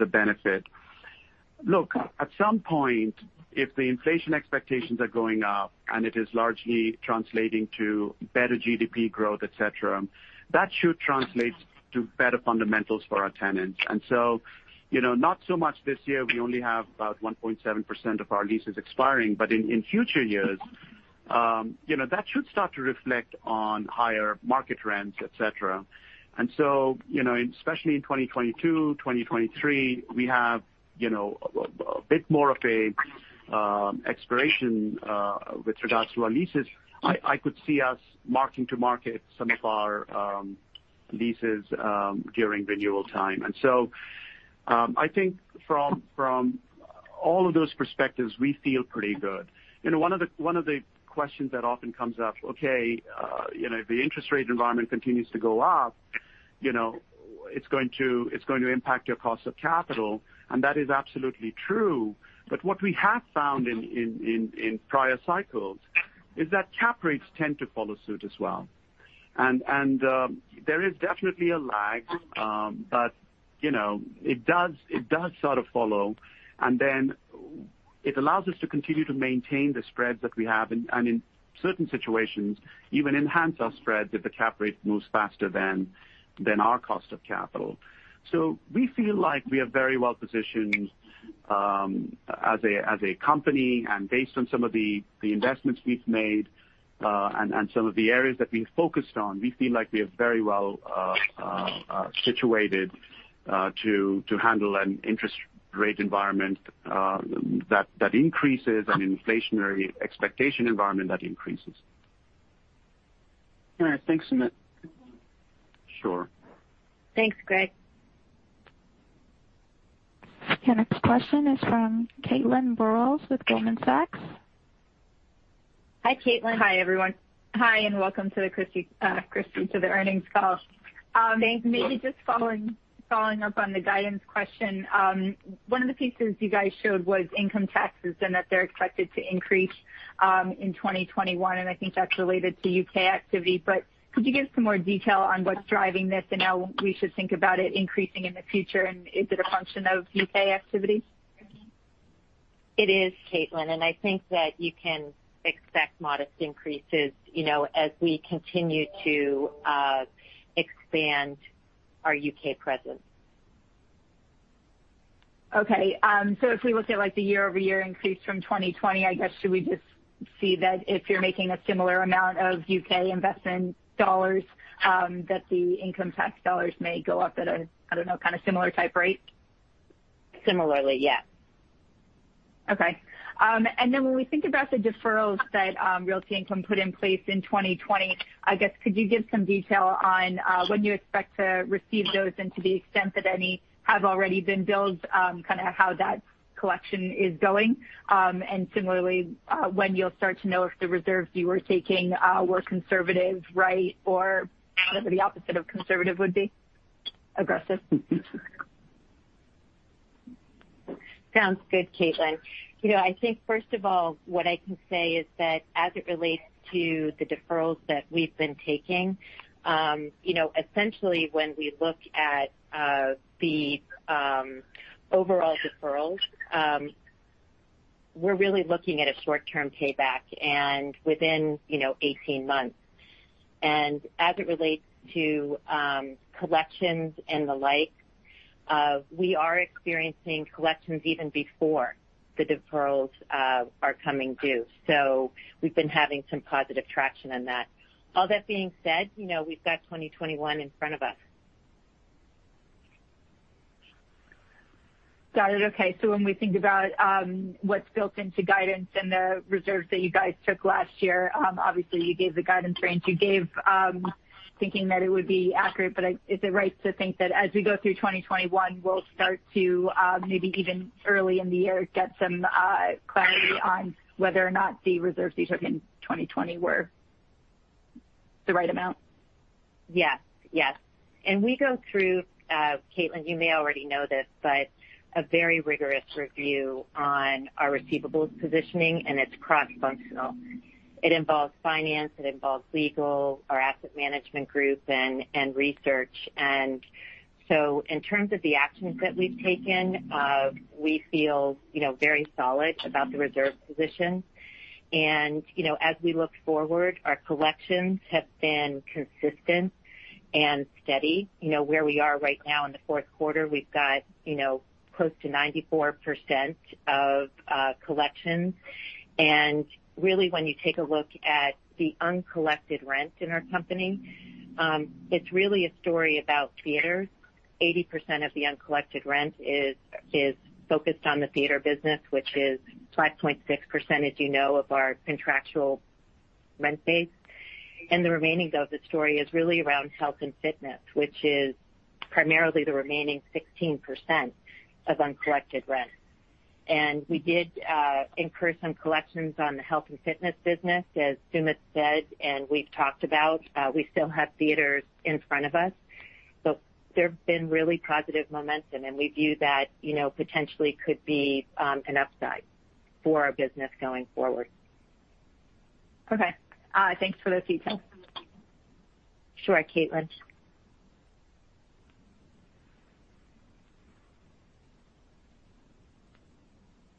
a benefit. Look, at some point, if the inflation expectations are going up and it is largely translating to better GDP growth, et cetera, that should translate to better fundamentals for our tenants. Not so much this year, we only have about 1.7% of our leases expiring. In future years, that should start to reflect on higher market rents, et cetera. Especially in 2022, 2023, we have a bit more of an expiration with regards to our leases. I could see us marking to market some of our leases during renewal time. I think from all of those perspectives, we feel pretty good. One of the questions that often comes up, okay, the interest rate environment continues to go up, it's going to impact your cost of capital. That is absolutely true. What we have found in prior cycles is that cap rates tend to follow suit as well. There is definitely a lag, but it does sort of follow, and then it allows us to continue to maintain the spreads that we have, and in certain situations, even enhance our spreads if the cap rate moves faster than our cost of capital. We feel like we are very well positioned as a company, and based on some of the investments we've made, and some of the areas that we've focused on, we feel like we are very well situated to handle an interest rate environment that increases an inflationary expectation environment that increases. All right. Thanks, Sumit. Sure. Thanks, Greg. Your next question is from Caitlin Burrows with Goldman Sachs. Hi, Caitlin. Hi, everyone. Hi, and welcome to the earnings call. Thanks. Maybe just following up on the guidance question. One of the pieces you guys showed was income taxes and that they're expected to increase in 2021, and I think that's related to U.K. activity. Could you give some more detail on what's driving this and how we should think about it increasing in the future, and is it a function of U.K. activity? It is, Caitlin, and I think that you can expect modest increases as we continue to expand our U.K. presence. If we look at the year-over-year increase from 2020, I guess, should we just see that if you're making a similar amount of U.K. investment dollars, that the income tax dollars may go up at a, I don't know, kind of similar type rate? Similarly, yes. Okay. When we think about the deferrals that Realty Income put in place in 2020, I guess could you give some detail on when you expect to receive those and to the extent that any have already been billed, kind of how that collection is going? Similarly, when you'll start to know if the reserves you were taking were conservative, right, or whatever the opposite of conservative would be. Aggressive. Sounds good, Caitlin. I think first of all, what I can say is that as it relates to the deferrals that we've been taking, essentially when we look at the overall deferrals, we're really looking at a short-term payback, and within 18 months. As it relates to collections and the like, we are experiencing collections even before the deferrals are coming due. We've been having some positive traction on that. All that being said, we've got 2021 in front of us. Got it. Okay. When we think about what's built into guidance and the reserves that you guys took last year, obviously you gave the guidance range you gave thinking that it would be accurate. Is it right to think that as we go through 2021, we'll start to maybe even early in the year get some clarity on whether or not the reserves you took in 2020 were the right amount? Yes. We go through, Caitlin, you may already know this, but a very rigorous review on our receivables positioning, and it's cross-functional. It involves finance, it involves legal, our asset management group, and research. In terms of the actions that we've taken, we feel very solid about the reserve position. As we look forward, our collections have been consistent and steady. Where we are right now in the fourth quarter, we've got close to 94% of collections. Really when you take a look at the uncollected rent in our company, it's really a story about theaters. 80% of the uncollected rent is focused on the theater business, which is 5.6%, as you know, of our contractual rent base. The remaining of the story is really around health and fitness, which is primarily the remaining 16% of uncollected rent. We did incur some collections on the health and fitness business, as Sumit said, and we've talked about, we still have theaters in front of us. There's been really positive momentum, and we view that potentially could be an upside for our business going forward. Okay. Thanks for those details. Sure, Caitlin.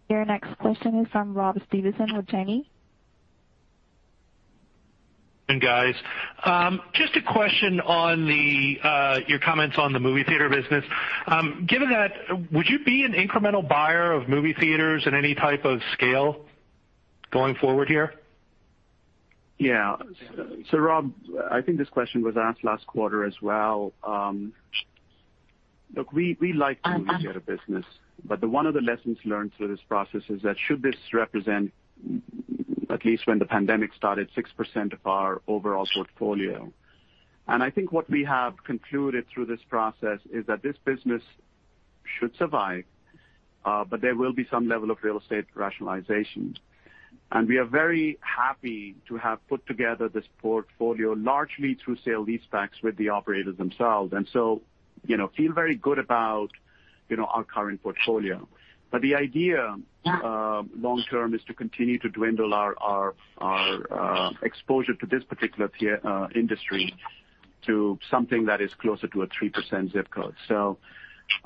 Your next question is from Robert Stevenson with Janney. Guys, just a question on your comments on the movie theater business. Given that, would you be an incremental buyer of movie theaters at any type of scale going forward here? Yeah. Rob, I think this question was asked last quarter as well. Look, we like the movie theater business, but one of the lessons learned through this process is that should this represent, at least when the pandemic started, 6% of our overall portfolio. I think what we have concluded through this process is that this business should survive, but there will be some level of real estate rationalization. We are very happy to have put together this portfolio largely through sale leasebacks with the operators themselves. Feel very good about our current portfolio. The idea long term is to continue to dwindle our exposure to this particular industry to something that is closer to a 3% zip code.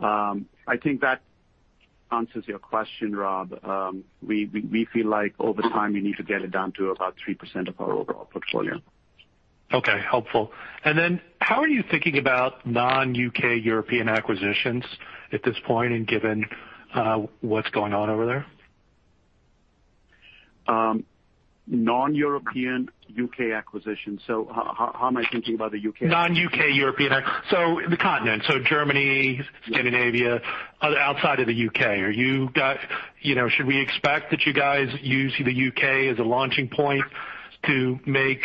I think that answers your question, Rob. We feel like over time, we need to get it down to about 3% of our overall portfolio. Okay. Helpful. How are you thinking about non-U.K. European acquisitions at this point, and given what's going on over there? Non-European U.K. acquisitions. How am I thinking about the U.K.? Non-U.K. European. The continent. Germany, Scandinavia, outside of the U.K. Should we expect that you guys use the U.K. as a launching point to make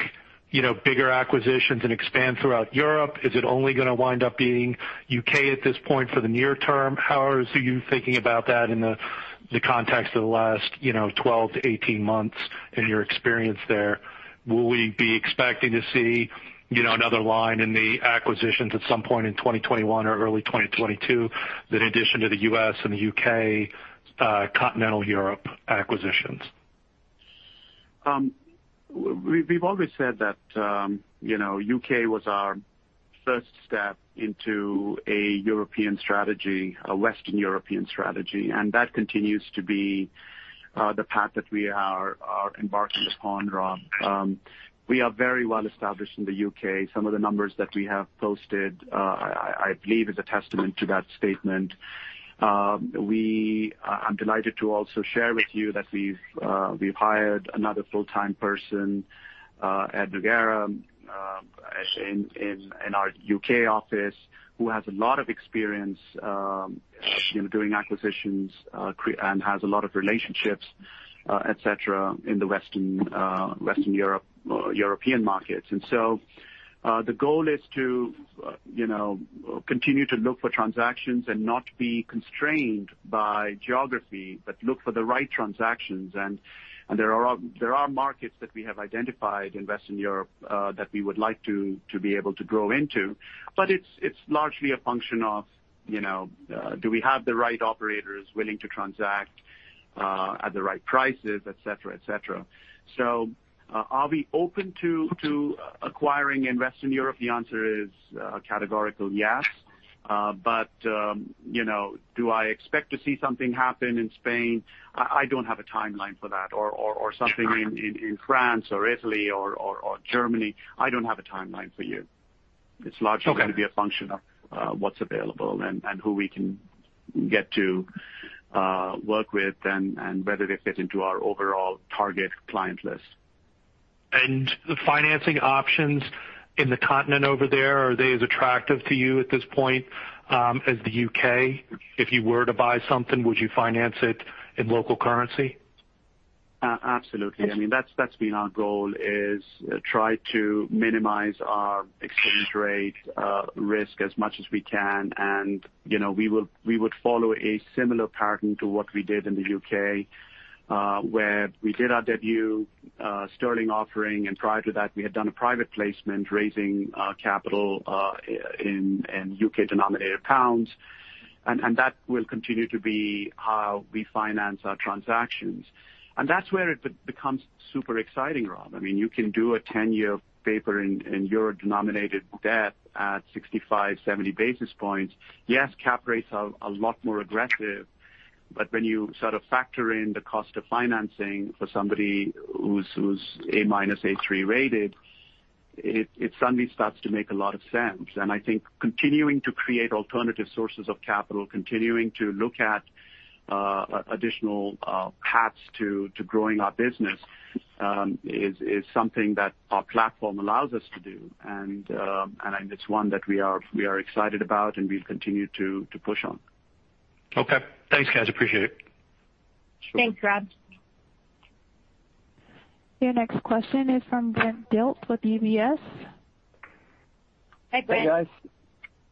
bigger acquisitions and expand throughout Europe? Is it only gonna wind up being U.K. at this point for the near term? How are you thinking about that in the context of the last 12-18 months and your experience there? Will we be expecting to see another line in the acquisitions at some point in 2021 or early 2022 that in addition to the U.S. and the U.K., continental Europe acquisitions? We've always said that U.K. was our first step into a European strategy, a Western European strategy, and that continues to be the path that we are embarking upon, Rob. We are very well established in the U.K. Some of the numbers that we have posted, I believe, is a testament to that statement. I'm delighted to also share with you that we've hired another full-time person, Ed Noguera, in our U.K. office, who has a lot of experience doing acquisitions, and has a lot of relationships, et cetera, in the Western European markets. The goal is to continue to look for transactions and not be constrained by geography, but look for the right transactions. There are markets that we have identified in Western Europe that we would like to be able to grow into. It's largely a function of do we have the right operators willing to transact, at the right prices, et cetera. Are we open to acquiring in Western Europe? The answer is a categorical yes. Do I expect to see something happen in Spain? I don't have a timeline for that. Something in France or Italy or Germany. I don't have a timeline for you. Okay going to be a function of what's available and who we can get to work with and whether they fit into our overall target client list. The financing options in the continent over there, are they as attractive to you at this point as the U.K.? If you were to buy something, would you finance it in local currency? Absolutely. That's been our goal, is try to minimize our exchange rate risk as much as we can. We would follow a similar pattern to what we did in the U.K., where we did our debut sterling offering, and prior to that, we had done a private placement, raising capital in U.K.-denominated pounds. That will continue to be how we finance our transactions. That's where it becomes super exciting, Rob. You can do a 10-year paper in euro-denominated debt at 65, 70 basis points. Yes, cap rates are a lot more aggressive, but when you sort of factor in the cost of financing for somebody who's A-, A3-rated, it suddenly starts to make a lot of sense. I think continuing to create alternative sources of capital, continuing to look at additional paths to growing our business, is something that our platform allows us to do. It's one that we are excited about and we'll continue to push on. Okay. Thanks, guys. Appreciate it. Thanks, Rob. Your next question is from Brent Dilts with UBS. Hi, Brent. Hey, guys.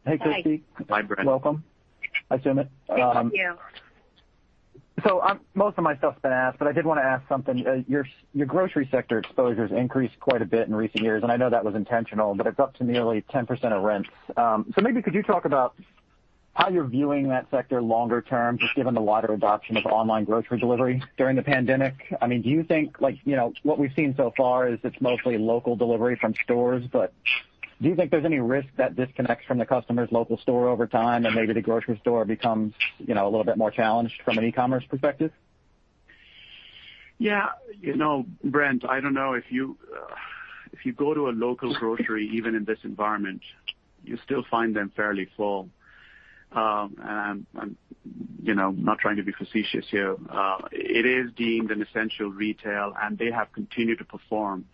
Hey, Christie. Hi. Hi, Brent. Welcome. Hi, Sumit. Thank you. Most of my stuff's been asked, but I did want to ask something. Your grocery sector exposure's increased quite a bit in recent years, and I know that was intentional, but it's up to nearly 10% of rents. Maybe could you talk about how you're viewing that sector longer term, just given the wider adoption of online grocery delivery during the pandemic? What we've seen so far is it's mostly local delivery from stores, but do you think there's any risk that disconnects from the customer's local store over time, and maybe the grocery store becomes a little bit more challenged from an e-commerce perspective? Yeah. Brent, I don't know. If you go to a local grocery, even in this environment, you still find them fairly full. I'm not trying to be facetious here. It is deemed an essential retail, and they have continued to perform.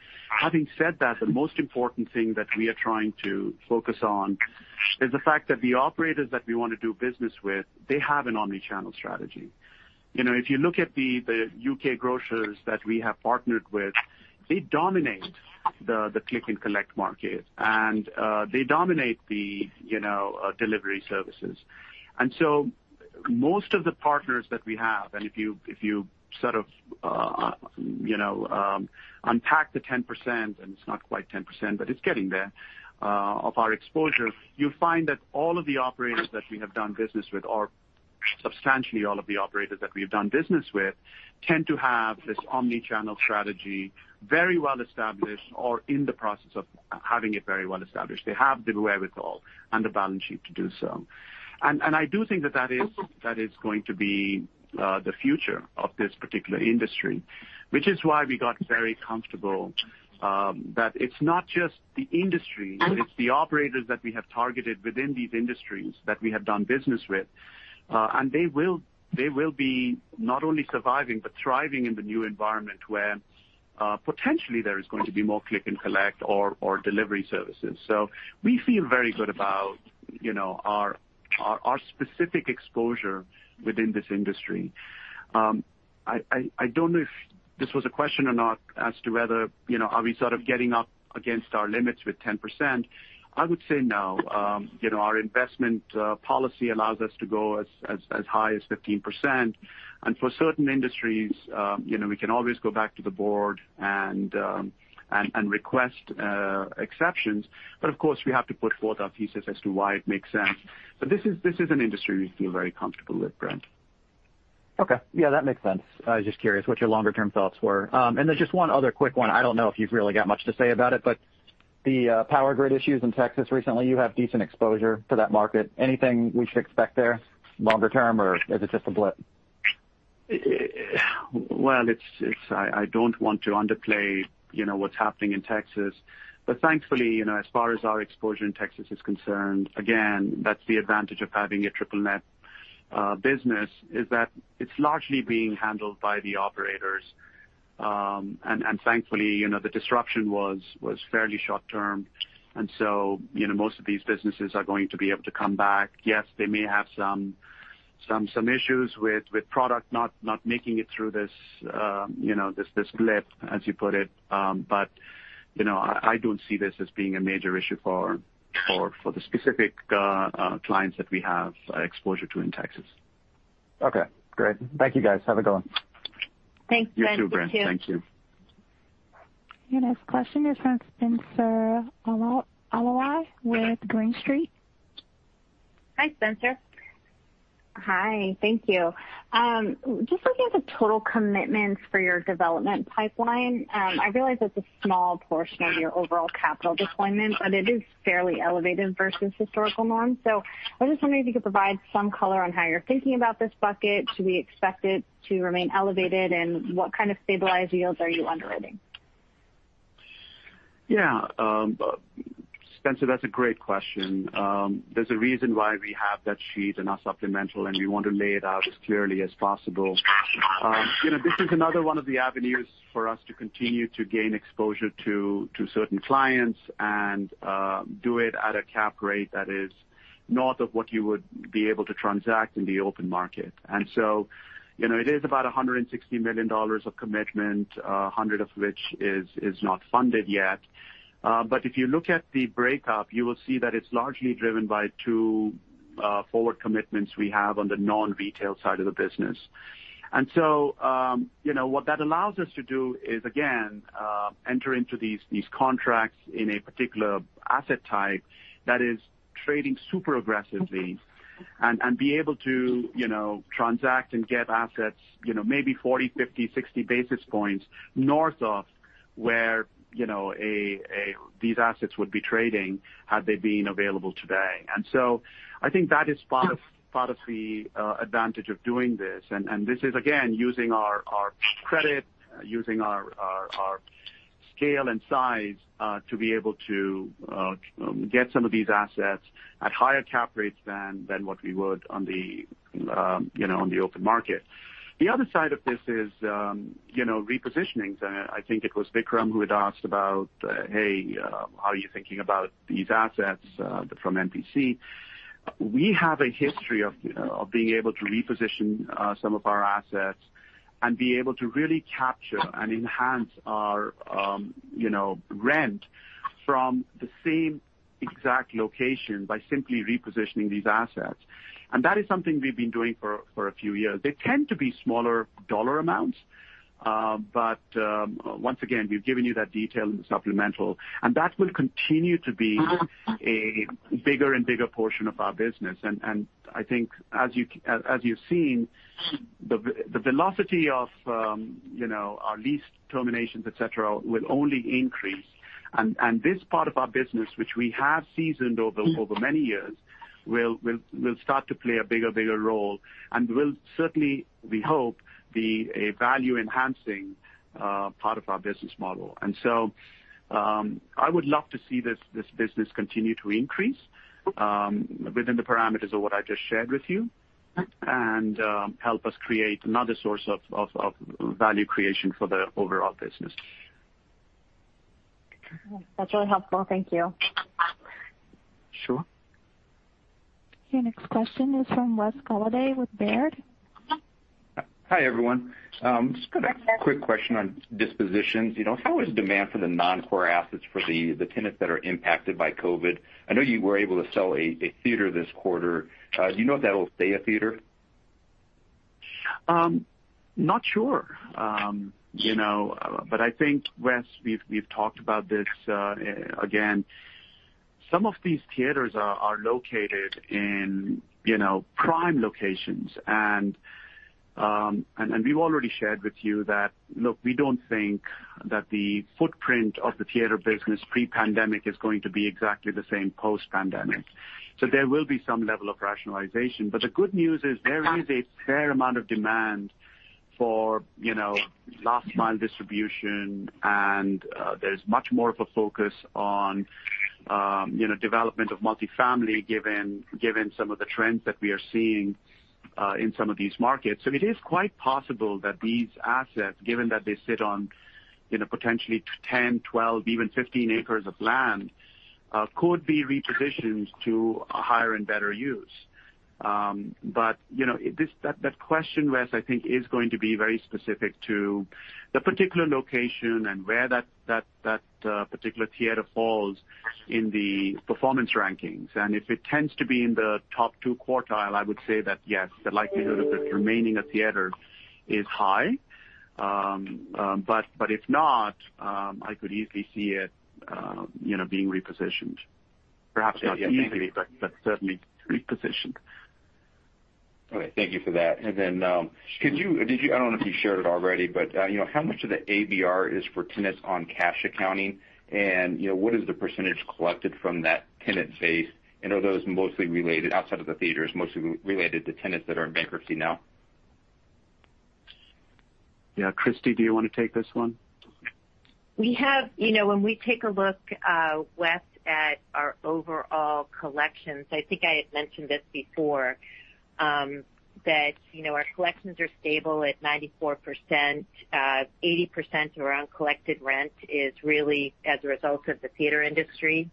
Having said that, the most important thing that we are trying to focus on is the fact that the operators that we want to do business with have an omni-channel strategy. If you look at the U.K. grocers that we have partnered with, they dominate the click-and-collect market, and they dominate the delivery services. Most of the partners that we have, and if you unpack the 10%, and it's not quite 10%, but it's getting there, of our exposure, you'll find that all of the operators that we have done business with, or substantially all of the operators that we've done business with, tend to have this omni-channel strategy very well established or in the process of having it very well established. They have the wherewithal and the balance sheet to do so. I do think that that is going to be the future of this particular industry, which is why we got very comfortable that it's not just the industry, but it's the operators that we have targeted within these industries that we have done business with. They will be not only surviving but thriving in the new environment where potentially there is going to be more click and collect or delivery services. We feel very good about our specific exposure within this industry. I don't know if this was a question or not as to whether, are we sort of getting up against our limits with 10%. I would say no. Our investment policy allows us to go as high as 15%. For certain industries, we can always go back to the board and request exceptions. Of course, we have to put forth our thesis as to why it makes sense. This is an industry we feel very comfortable with, Brent. Okay. Yeah, that makes sense. I was just curious what your longer-term thoughts were. There's just one other quick one. I don't know if you've really got much to say about it, but the power grid issues in Texas recently, you have decent exposure to that market. Anything we should expect there longer term, or is it just a blip? Well, I don't want to underplay what's happening in Texas. Thankfully, as far as our exposure in Texas is concerned, again, that's the advantage of having a triple-net business, is that it's largely being handled by the operators. Thankfully, the disruption was fairly short-term. So, most of these businesses are going to be able to come back. Yes, they may have some issues with product not making it through this blip, as you put it. I don't see this as being a major issue for the specific clients that we have exposure to in Texas. Okay, great. Thank you guys. Have a good one. Thanks, Brent. You too. You too, Brent. Thank you. Your next question is from Spenser Allaway with Green Street. Hi, Spenser. Hi. Thank you. Just looking at the total commitments for your development pipeline. I realize it's a small portion of your overall capital deployment, but it is fairly elevated versus historical norms. I was just wondering if you could provide some color on how you're thinking about this bucket. Should we expect it to remain elevated, and what kind of stabilized yields are you underwriting? Yeah. Spenser, that's a great question. There's a reason why we have that sheet in our supplemental. We want to lay it out as clearly as possible. This is another one of the avenues for us to continue to gain exposure to certain clients and do it at a cap rate that is north of what you would be able to transact in the open market. It is about $160 million of commitment, 100 of which is not funded yet. If you look at the breakup, you will see that it's largely driven by two forward commitments we have on the non-retail side of the business. What that allows us to do is, again, enter into these contracts in a particular asset type that is trading super aggressively and be able to transact and get assets maybe 40, 50, 60 basis points north of where these assets would be trading had they been available today. I think that is part of the advantage of doing this. This is, again, using our credit, using our scale and size to be able to get some of these assets at higher cap rates than what we would on the open market. The other side of this is repositionings. I think it was Vikram who had asked about, "Hey, how are you thinking about these assets from NPC?" We have a history of being able to reposition some of our assets and be able to really capture and enhance our rent from the same exact location by simply repositioning these assets. That is something we've been doing for a few years. They tend to be smaller dollar amounts. Once again, we've given you that detail in the supplemental, and that will continue to be a bigger and bigger portion of our business. I think as you've seen, the velocity of our lease terminations, et cetera, will only increase. This part of our business, which we have seasoned over many years, will start to play a bigger role and will certainly, we hope, be a value-enhancing part of our business model. I would love to see this business continue to increase within the parameters of what I just shared with you and help us create another source of value creation for the overall business. That's really helpful. Thank you. Sure. Your next question is from Wes Golladay with Baird. Hi, everyone. Just got a quick question on dispositions. How is demand for the non-core assets for the tenants that are impacted by COVID? I know you were able to sell a theater this quarter. Do you know if that'll stay a theater? Not sure. I think, Wes, we've talked about this. Again, some of these theaters are located in prime locations, and we've already shared with you that, look, we don't think that the footprint of the theater business pre-pandemic is going to be exactly the same post-pandemic. There will be some level of rationalization. The good news is there is a fair amount of demand for last mile distribution, and there's much more of a focus on development of multi-family, given some of the trends that we are seeing in some of these markets. It is quite possible that these assets, given that they sit on potentially 10, 12, even 15 acres of land could be repositioned to a higher and better use. That question, Wes, I think is going to be very specific to the particular location and where that particular theater falls in the performance rankings. If it tends to be in the top two quartile, I would say that yes, the likelihood of it remaining a theater is high. If not, I could easily see it being repositioned. Perhaps not easily, but certainly repositioned. All right. Thank you for that. Sure. I don't know if you shared it already, but how much of the ABR is for tenants on cash accounting, and what is the percentage collected from that tenant base, and are those mostly related, outside of the theaters, mostly related to tenants that are in bankruptcy now? Yeah. Christie, do you want to take this one? When we take a look, Wes, at our overall collections, I think I had mentioned this before, that our collections are stable at 94%. 80% of our uncollected rent is really as a result of the theater industry,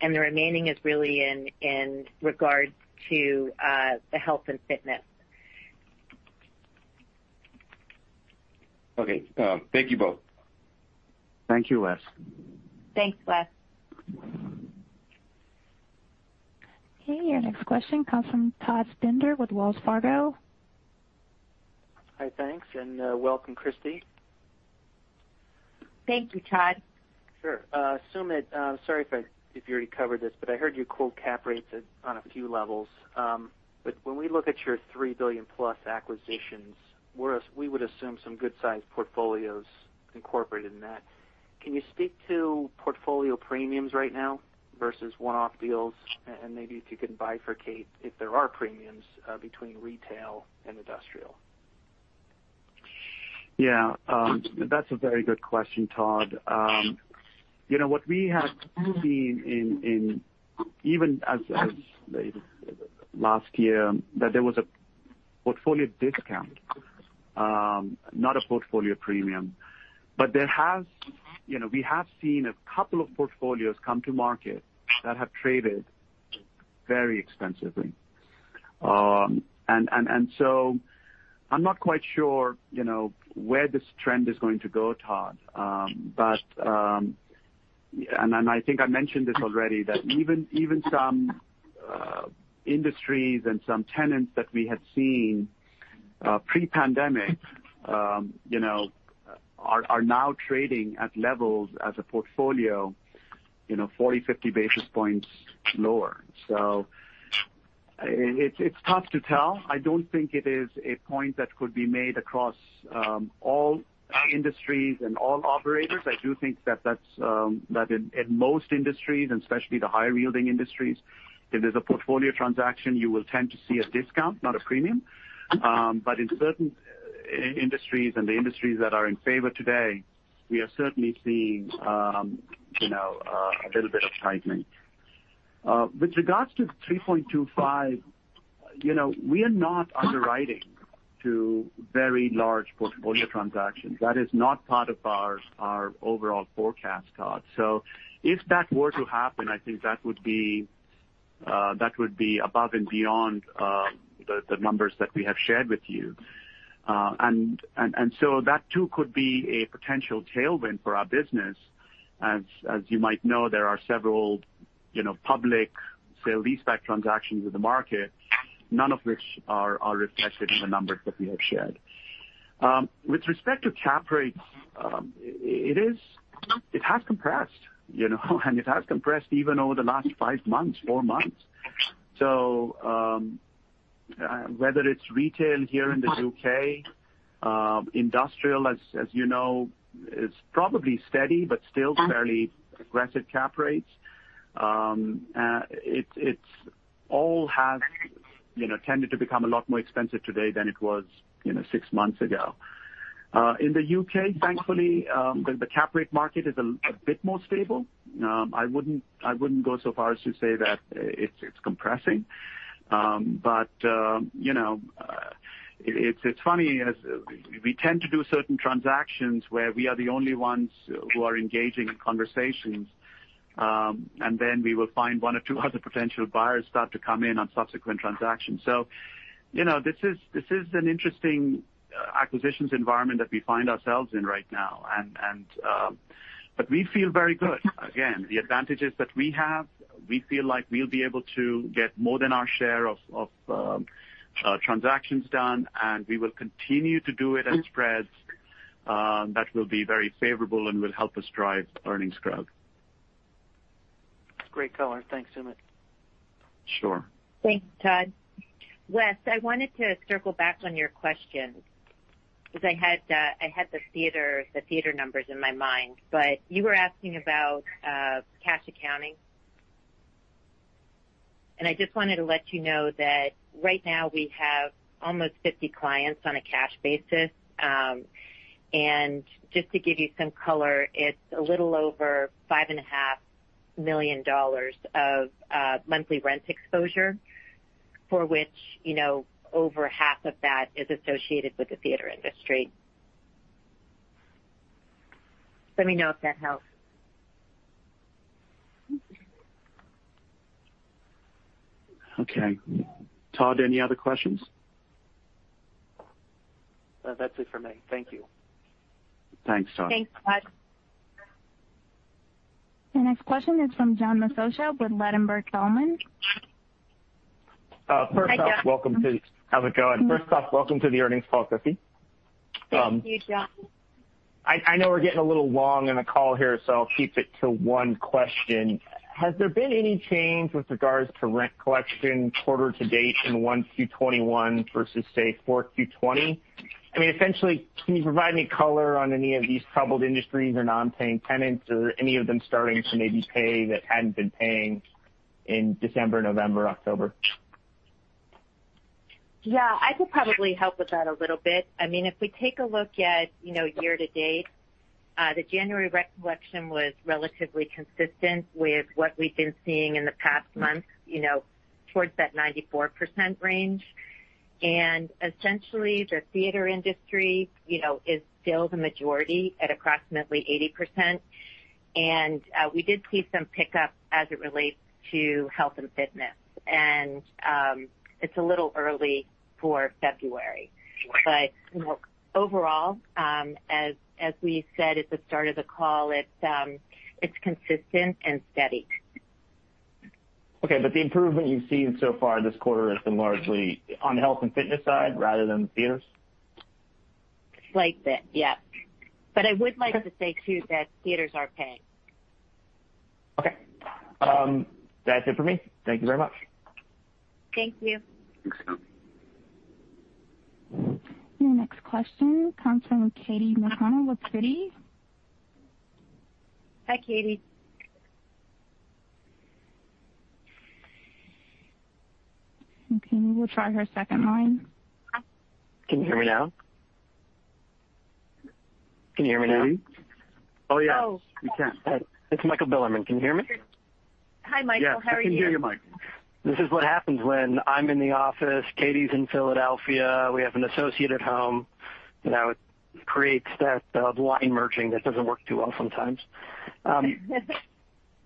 and the remaining is really in regard to the health and fitness. Okay. Thank you both. Thank you, Wes. Thanks, Wes. Okay, your next question comes from Todd Stender with Wells Fargo. Hi, thanks, and welcome, Christie. Thank you, Todd. Sure. Sumit, sorry if you already covered this, but I heard you quote cap rates on a few levels. When we look at your $3 billion-plus acquisitions, we would assume some good-sized portfolios incorporated in that. Can you speak to portfolio premiums right now versus one-off deals? Maybe if you can bifurcate if there are premiums between retail and industrial. Yeah. That's a very good question, Todd. What we have seen in even as late as last year, that there was a portfolio discount, not a portfolio premium. We have seen a couple of portfolios come to market that have traded very expensively. I'm not quite sure where this trend is going to go, Todd. I think I mentioned this already, that even some industries and some tenants that we have seen pre-pandemic are now trading at levels as a portfolio 40, 50 basis points lower. It's tough to tell. I don't think it is a point that could be made across all industries and all operators. I do think that in most industries, and especially the higher-yielding industries, if there's a portfolio transaction, you will tend to see a discount, not a premium. In certain industries and the industries that are in favor today, we are certainly seeing a little bit of tightening. With regards to $3.25 billion, we are not underwriting to very large portfolio transactions. That is not part of our overall forecast, Todd. If that were to happen, I think that would be above and beyond the numbers that we have shared with you. That too could be a potential tailwind for our business. As you might know, there are several public sale leaseback transactions in the market, none of which are reflected in the numbers that we have shared. With respect to cap rates, it has compressed. It has compressed even over the last five months, four months. Whether it's retail here in the U.K., industrial, as you know, is probably steady but still fairly aggressive cap rates. It all has tended to become a lot more expensive today than it was six months ago. In the U.K., thankfully, the cap rate market is a bit more stable. I wouldn't go so far as to say that it's compressing. It's funny as we tend to do certain transactions where we are the only ones who are engaging in conversations, and then we will find one or two other potential buyers start to come in on subsequent transactions. This is an interesting acquisitions environment that we find ourselves in right now. We feel very good. Again, the advantages that we have, we feel like we'll be able to get more than our share of transactions done, and we will continue to do it at spreads that will be very favorable and will help us drive earnings growth. Great color. Thanks, Sumit. Sure. Thanks, Todd. Wes, I wanted to circle back on your question because I had the theater numbers in my mind. You were asking about cash accounting. I just wanted to let you know that right now we have almost 50 clients on a cash basis. Just to give you some color, it's a little over $5.5 million of monthly rent exposure, for which over half of that is associated with the theater industry. Let me know if that helps. Okay. Todd, any other questions? That's it for me. Thank you. Thanks, Todd. Thanks, Todd. The next question is from John Massocca with Ladenburg Thalmann. Hi, John. How's it going? First off, welcome to the earnings call, Christie. Thank you, John. I know we're getting a little long in the call here, so I'll keep it to one question. Has there been any change with regards to rent collection quarter-to-date in 1Q 2021 versus, say, 4Q 2020? I mean, essentially, can you provide any color on any of these troubled industries or non-paying tenants, or any of them starting to maybe pay that hadn't been paying in December, November, October? Yeah, I could probably help with that a little bit. If we take a look at year to date, the January rent collection was relatively consistent with what we've been seeing in the past month towards that 94% range. Essentially, the theater industry is still the majority at approximately 80%. We did see some pickup as it relates to health and fitness. It's a little early for February. Overall, as we said at the start of the call, it's consistent and steady. Okay. The improvement you've seen so far this quarter has been largely on the health and fitness side rather than the theaters? Slight bit, yeah. I would like to say, too, that theaters are paying. Okay. That's it for me. Thank you very much. Thank you. Thanks. Your next question comes from Katy McConnell with Citi. Hi, Katy. Okay, we'll try her second line. Can you hear me now? Oh, yeah. We can. It's Michael Bilerman. Can you hear me? Hi, Michael. How are you? Yes. I can hear you, Michael. This is what happens when I'm in the office, Katy's in Philadelphia, we have an associate at home. It creates that line merging that doesn't work too well sometimes.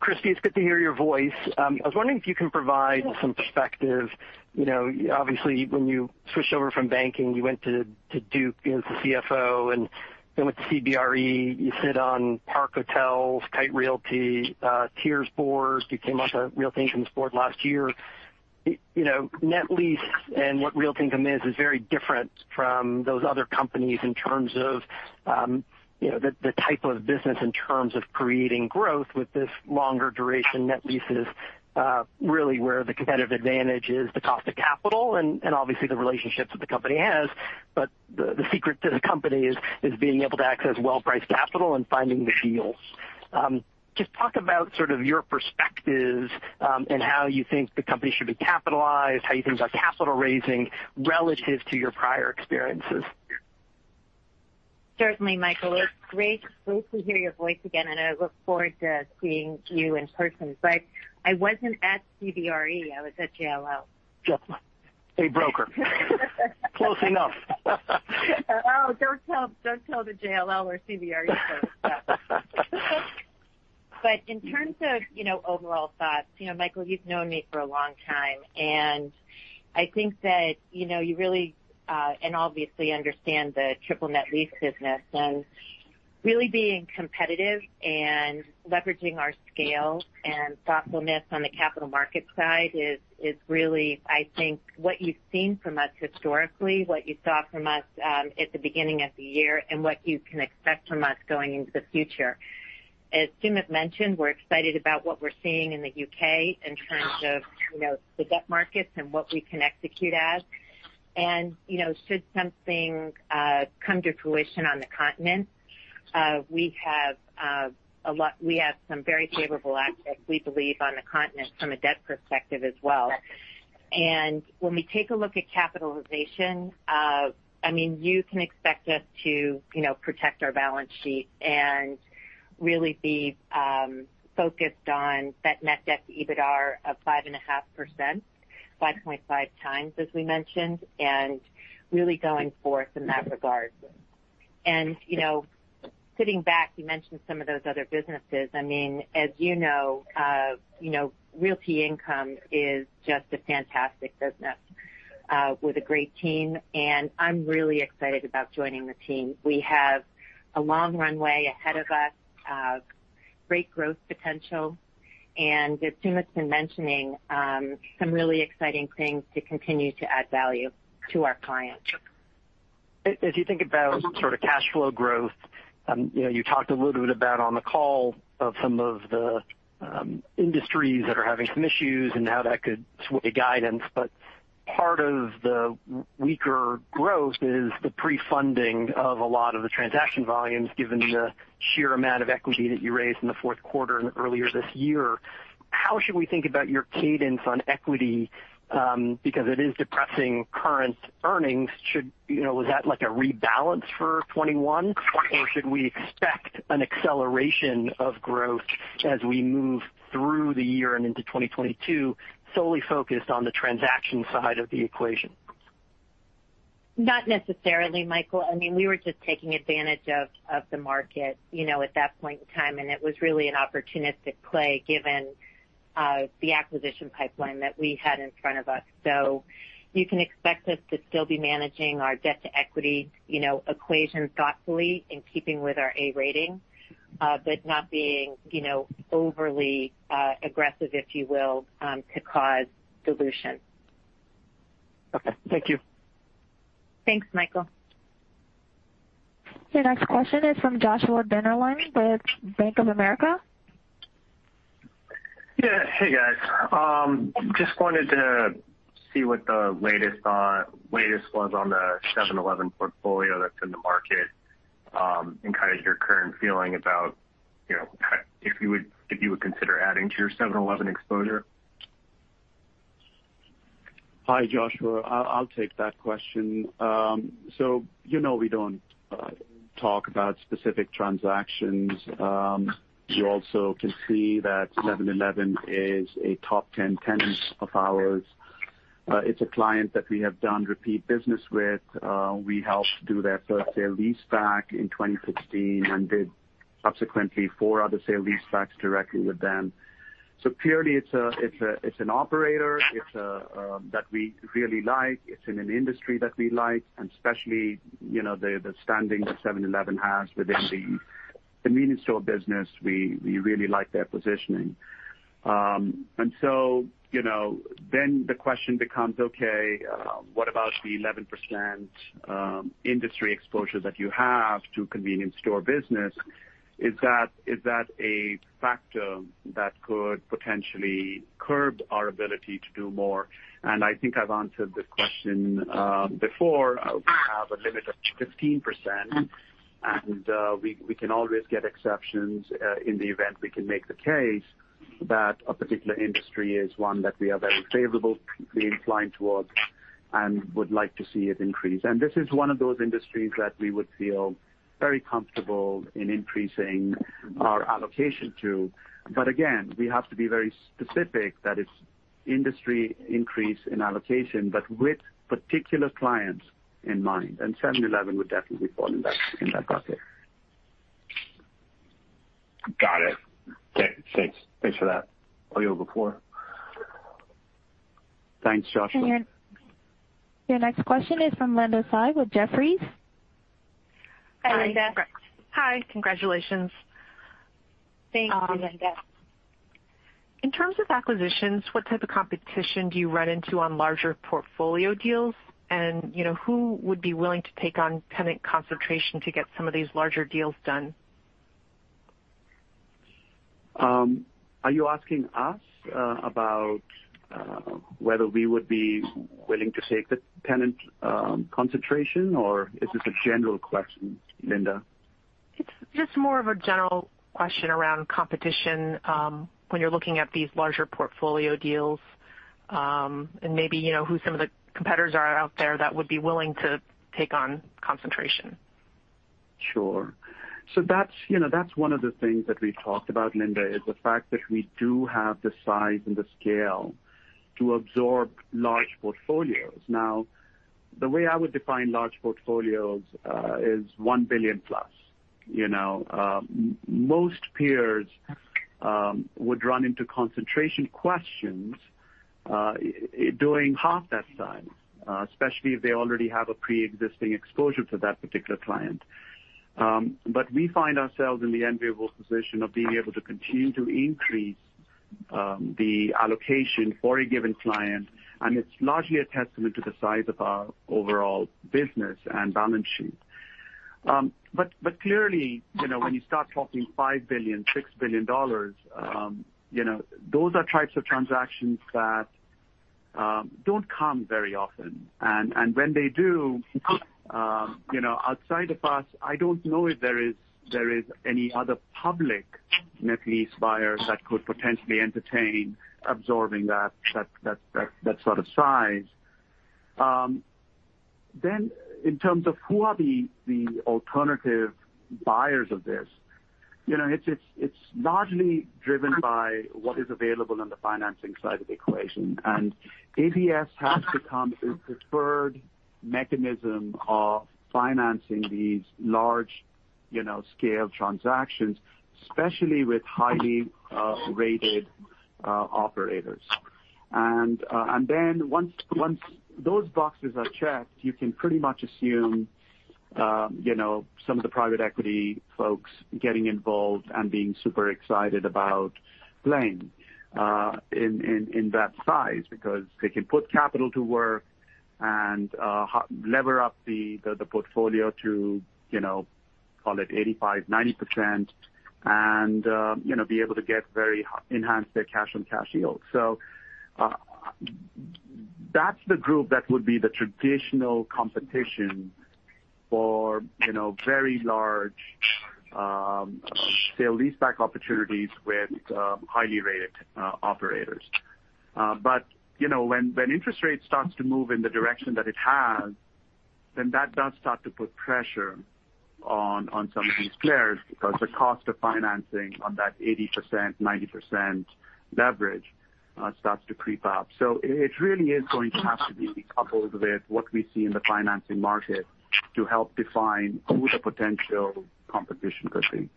Christie, it's good to hear your voice. I was wondering if you can provide some perspective. Obviously, when you switched over from banking, you went to Duke Realty as the CFO and then went to CBRE. You sit on Park Hotels & Resorts, Kite Realty Group, TIER's boards. You came off a Realty Income's board last year. Net lease and what Realty Income is very different from those other companies in terms of the type of business, in terms of creating growth with this longer duration net leases, really where the competitive advantage is the cost of capital and obviously the relationships that the company has. The secret to the company is being able to access well-priced capital and finding the deals. Just talk about sort of your perspectives, and how you think the company should be capitalized, how you think about capital raising relative to your prior experiences. Certainly, Michael. It's great to hear your voice again, and I look forward to seeing you in person. I wasn't at CBRE, I was at JLL. Just a broker. Close enough. Oh, don't tell the JLL or CBRE folks that. In terms of overall thoughts, Michael, you've known me for a long time, and I think that you and obviously understand the triple net lease business. Really being competitive and leveraging our scale and thoughtfulness on the capital market side is really, I think, what you've seen from us historically, what you saw from us at the beginning of the year, and what you can expect from us going into the future. As Sumit has mentioned, we're excited about what we're seeing in the U.K. in terms of the debt markets and what we can execute. Should something come to fruition on the continent, we have some very favorable assets we believe on the continent from a debt perspective as well. When we take a look at capitalization, you can expect us to protect our balance sheet and really be focused on that net debt to EBITDAre of 5.5%, 5.5x, as we mentioned, and really going forth in that regard. Sitting back, you mentioned some of those other businesses. As you know Realty Income is just a fantastic business, with a great team, and I'm really excited about joining the team. We have a long runway ahead of us, great growth potential, and as Sumit has been mentioning, some really exciting things to continue to add value to our clients. As you think about sort of cash flow growth, you talked a little bit about on the call of some of the industries that are having some issues and how that could sway guidance. Part of the weaker growth is the pre-funding of a lot of the transaction volumes, given the sheer amount of equity that you raised in the fourth quarter and earlier this year. How should we think about your cadence on equity? Because it is depressing current earnings. Was that like a rebalance for 2021, or should we expect an acceleration of growth as we move through the year and into 2022, solely focused on the transaction side of the equation? Not necessarily, Michael. We were just taking advantage of the market at that point in time, and it was really an opportunistic play given the acquisition pipeline that we had in front of us. You can expect us to still be managing our debt-to-equity equation thoughtfully in keeping with our A rating, but not being overly aggressive, if you will, to cause dilution. Okay. Thank you. Thanks, Michael. Your next question is from Joshua Dennerlein with Bank of America. Yeah. Hey, guys. Just wanted to see what the latest was on the 7-Eleven portfolio that's in the market, and kind of your current feeling about if you would consider adding to your 7-Eleven exposure. Hi, Joshua. I'll take that question. You know we don't talk about specific transactions. You also can see that 7-Eleven is a top 10 tenant of ours. It's a client that we have done repeat business with. We helped do their first sale leaseback in 2016 and did subsequently four other sale leasebacks directly with them. Purely, it's an operator that we really like. It's in an industry that we like, and especially the standing that 7-Eleven has within the convenience store business. We really like their positioning. The question becomes, okay, what about the 11% industry exposure that you have to convenience store business? Is that a factor that could potentially curb our ability to do more? I think I've answered this question before. We have a limit of 15%. We can always get exceptions in the event we can make the case that a particular industry is one that we are very favorably inclined towards and would like to see it increase. This is one of those industries that we would feel very comfortable in increasing our allocation to. Again, we have to be very specific that it's industry increase in allocation, but with particular clients in mind, and 7-Eleven would definitely fall in that bucket. Got it. Okay. Thanks for that. I yield the floor. Thanks, Joshua. Your next question is from Linda Tsai with Jefferies. Hi, Linda. Hi. Congratulations. Thanks, Linda. In terms of acquisitions, what type of competition do you run into on larger portfolio deals? Who would be willing to take on tenant concentration to get some of these larger deals done? Are you asking us about whether we would be willing to take the tenant concentration, or is this a general question, Linda? It's just more of a general question around competition when you're looking at these larger portfolio deals, and maybe who some of the competitors are out there that would be willing to take on concentration. Sure. That's one of the things that we've talked about, Linda, is the fact that we do have the size and the scale to absorb large portfolios. The way I would define large portfolios is $1 billion plus. Most peers would run into concentration questions doing half that size, especially if they already have a preexisting exposure to that particular client. We find ourselves in the enviable position of being able to continue to increase the allocation for a given client, and it's largely a testament to the size of our overall business and balance sheet. Clearly, when you start talking $5 billion, $6 billion, those are types of transactions that don't come very often. When they do, outside of us, I don't know if there is any other public net lease buyer that could potentially entertain absorbing that sort of size. In terms of who are the alternative buyers of this? It's largely driven by what is available on the financing side of the equation. ABS has become a preferred mechanism of financing these large scale transactions, especially with highly rated operators. Once those boxes are checked, you can pretty much assume some of the private equity folks getting involved and being super excited about playing in that size, because they can put capital to work and lever up the portfolio to call it 85%, 90% and be able to enhance their cash on cash yield. That's the group that would be the traditional competition for very large sale leaseback opportunities with highly rated operators. When interest rates start to move in the direction that it has, that does start to put pressure on some of these players because the cost of financing on that 80%, 90% leverage starts to creep up. It really is going to have to be coupled with what we see in the financing market to help define who the potential competition could be.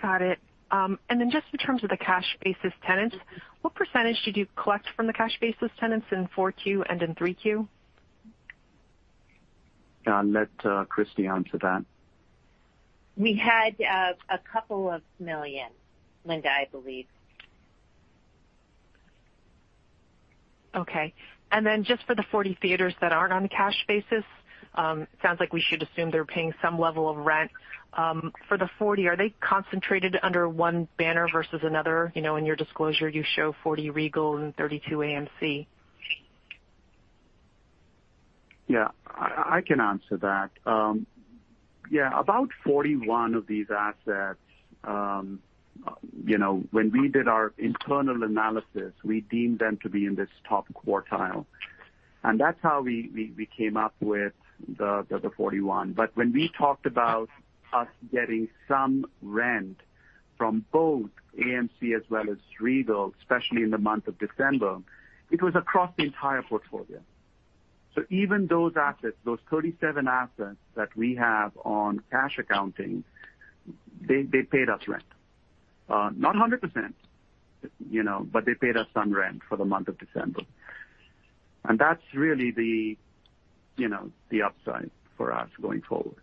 Got it. Then just in terms of the cash basis tenants, what percentage did you collect from the cash basis tenants in Q4 and in Q3? I'll let Christie answer that. We had a couple of million, Linda, I believe. Okay. Just for the 40 theaters that aren't on a cash basis, sounds like we should assume they're paying some level of rent. For the 40, are they concentrated under one banner versus another? In your disclosure, you show 40 Regal and 32 AMC. Yeah, I can answer that. Yeah, about 41 of these assets, when we did our internal analysis, we deemed them to be in this top quartile. That's how we came up with the 41. When we talked about us getting some rent from both AMC as well as Regal, especially in the month of December, it was across the entire portfolio. Even those assets, those 37 assets that we have on cash accounting, they paid us rent. Not 100%, but they paid us some rent for the month of December. That's really the upside for us going forward.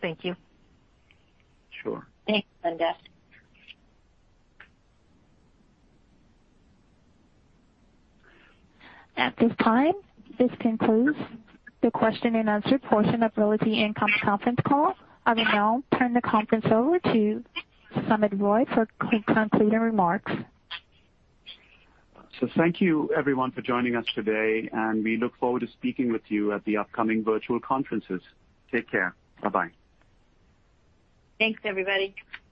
Thank you. Sure. Thanks, Linda. At this time, this concludes the question and answer portion of Realty Income conference call. I will now turn the conference over to Sumit Roy for concluding remarks. Thank you everyone for joining us today, and we look forward to speaking with you at the upcoming virtual conferences. Take care. Bye-bye. Thanks, everybody.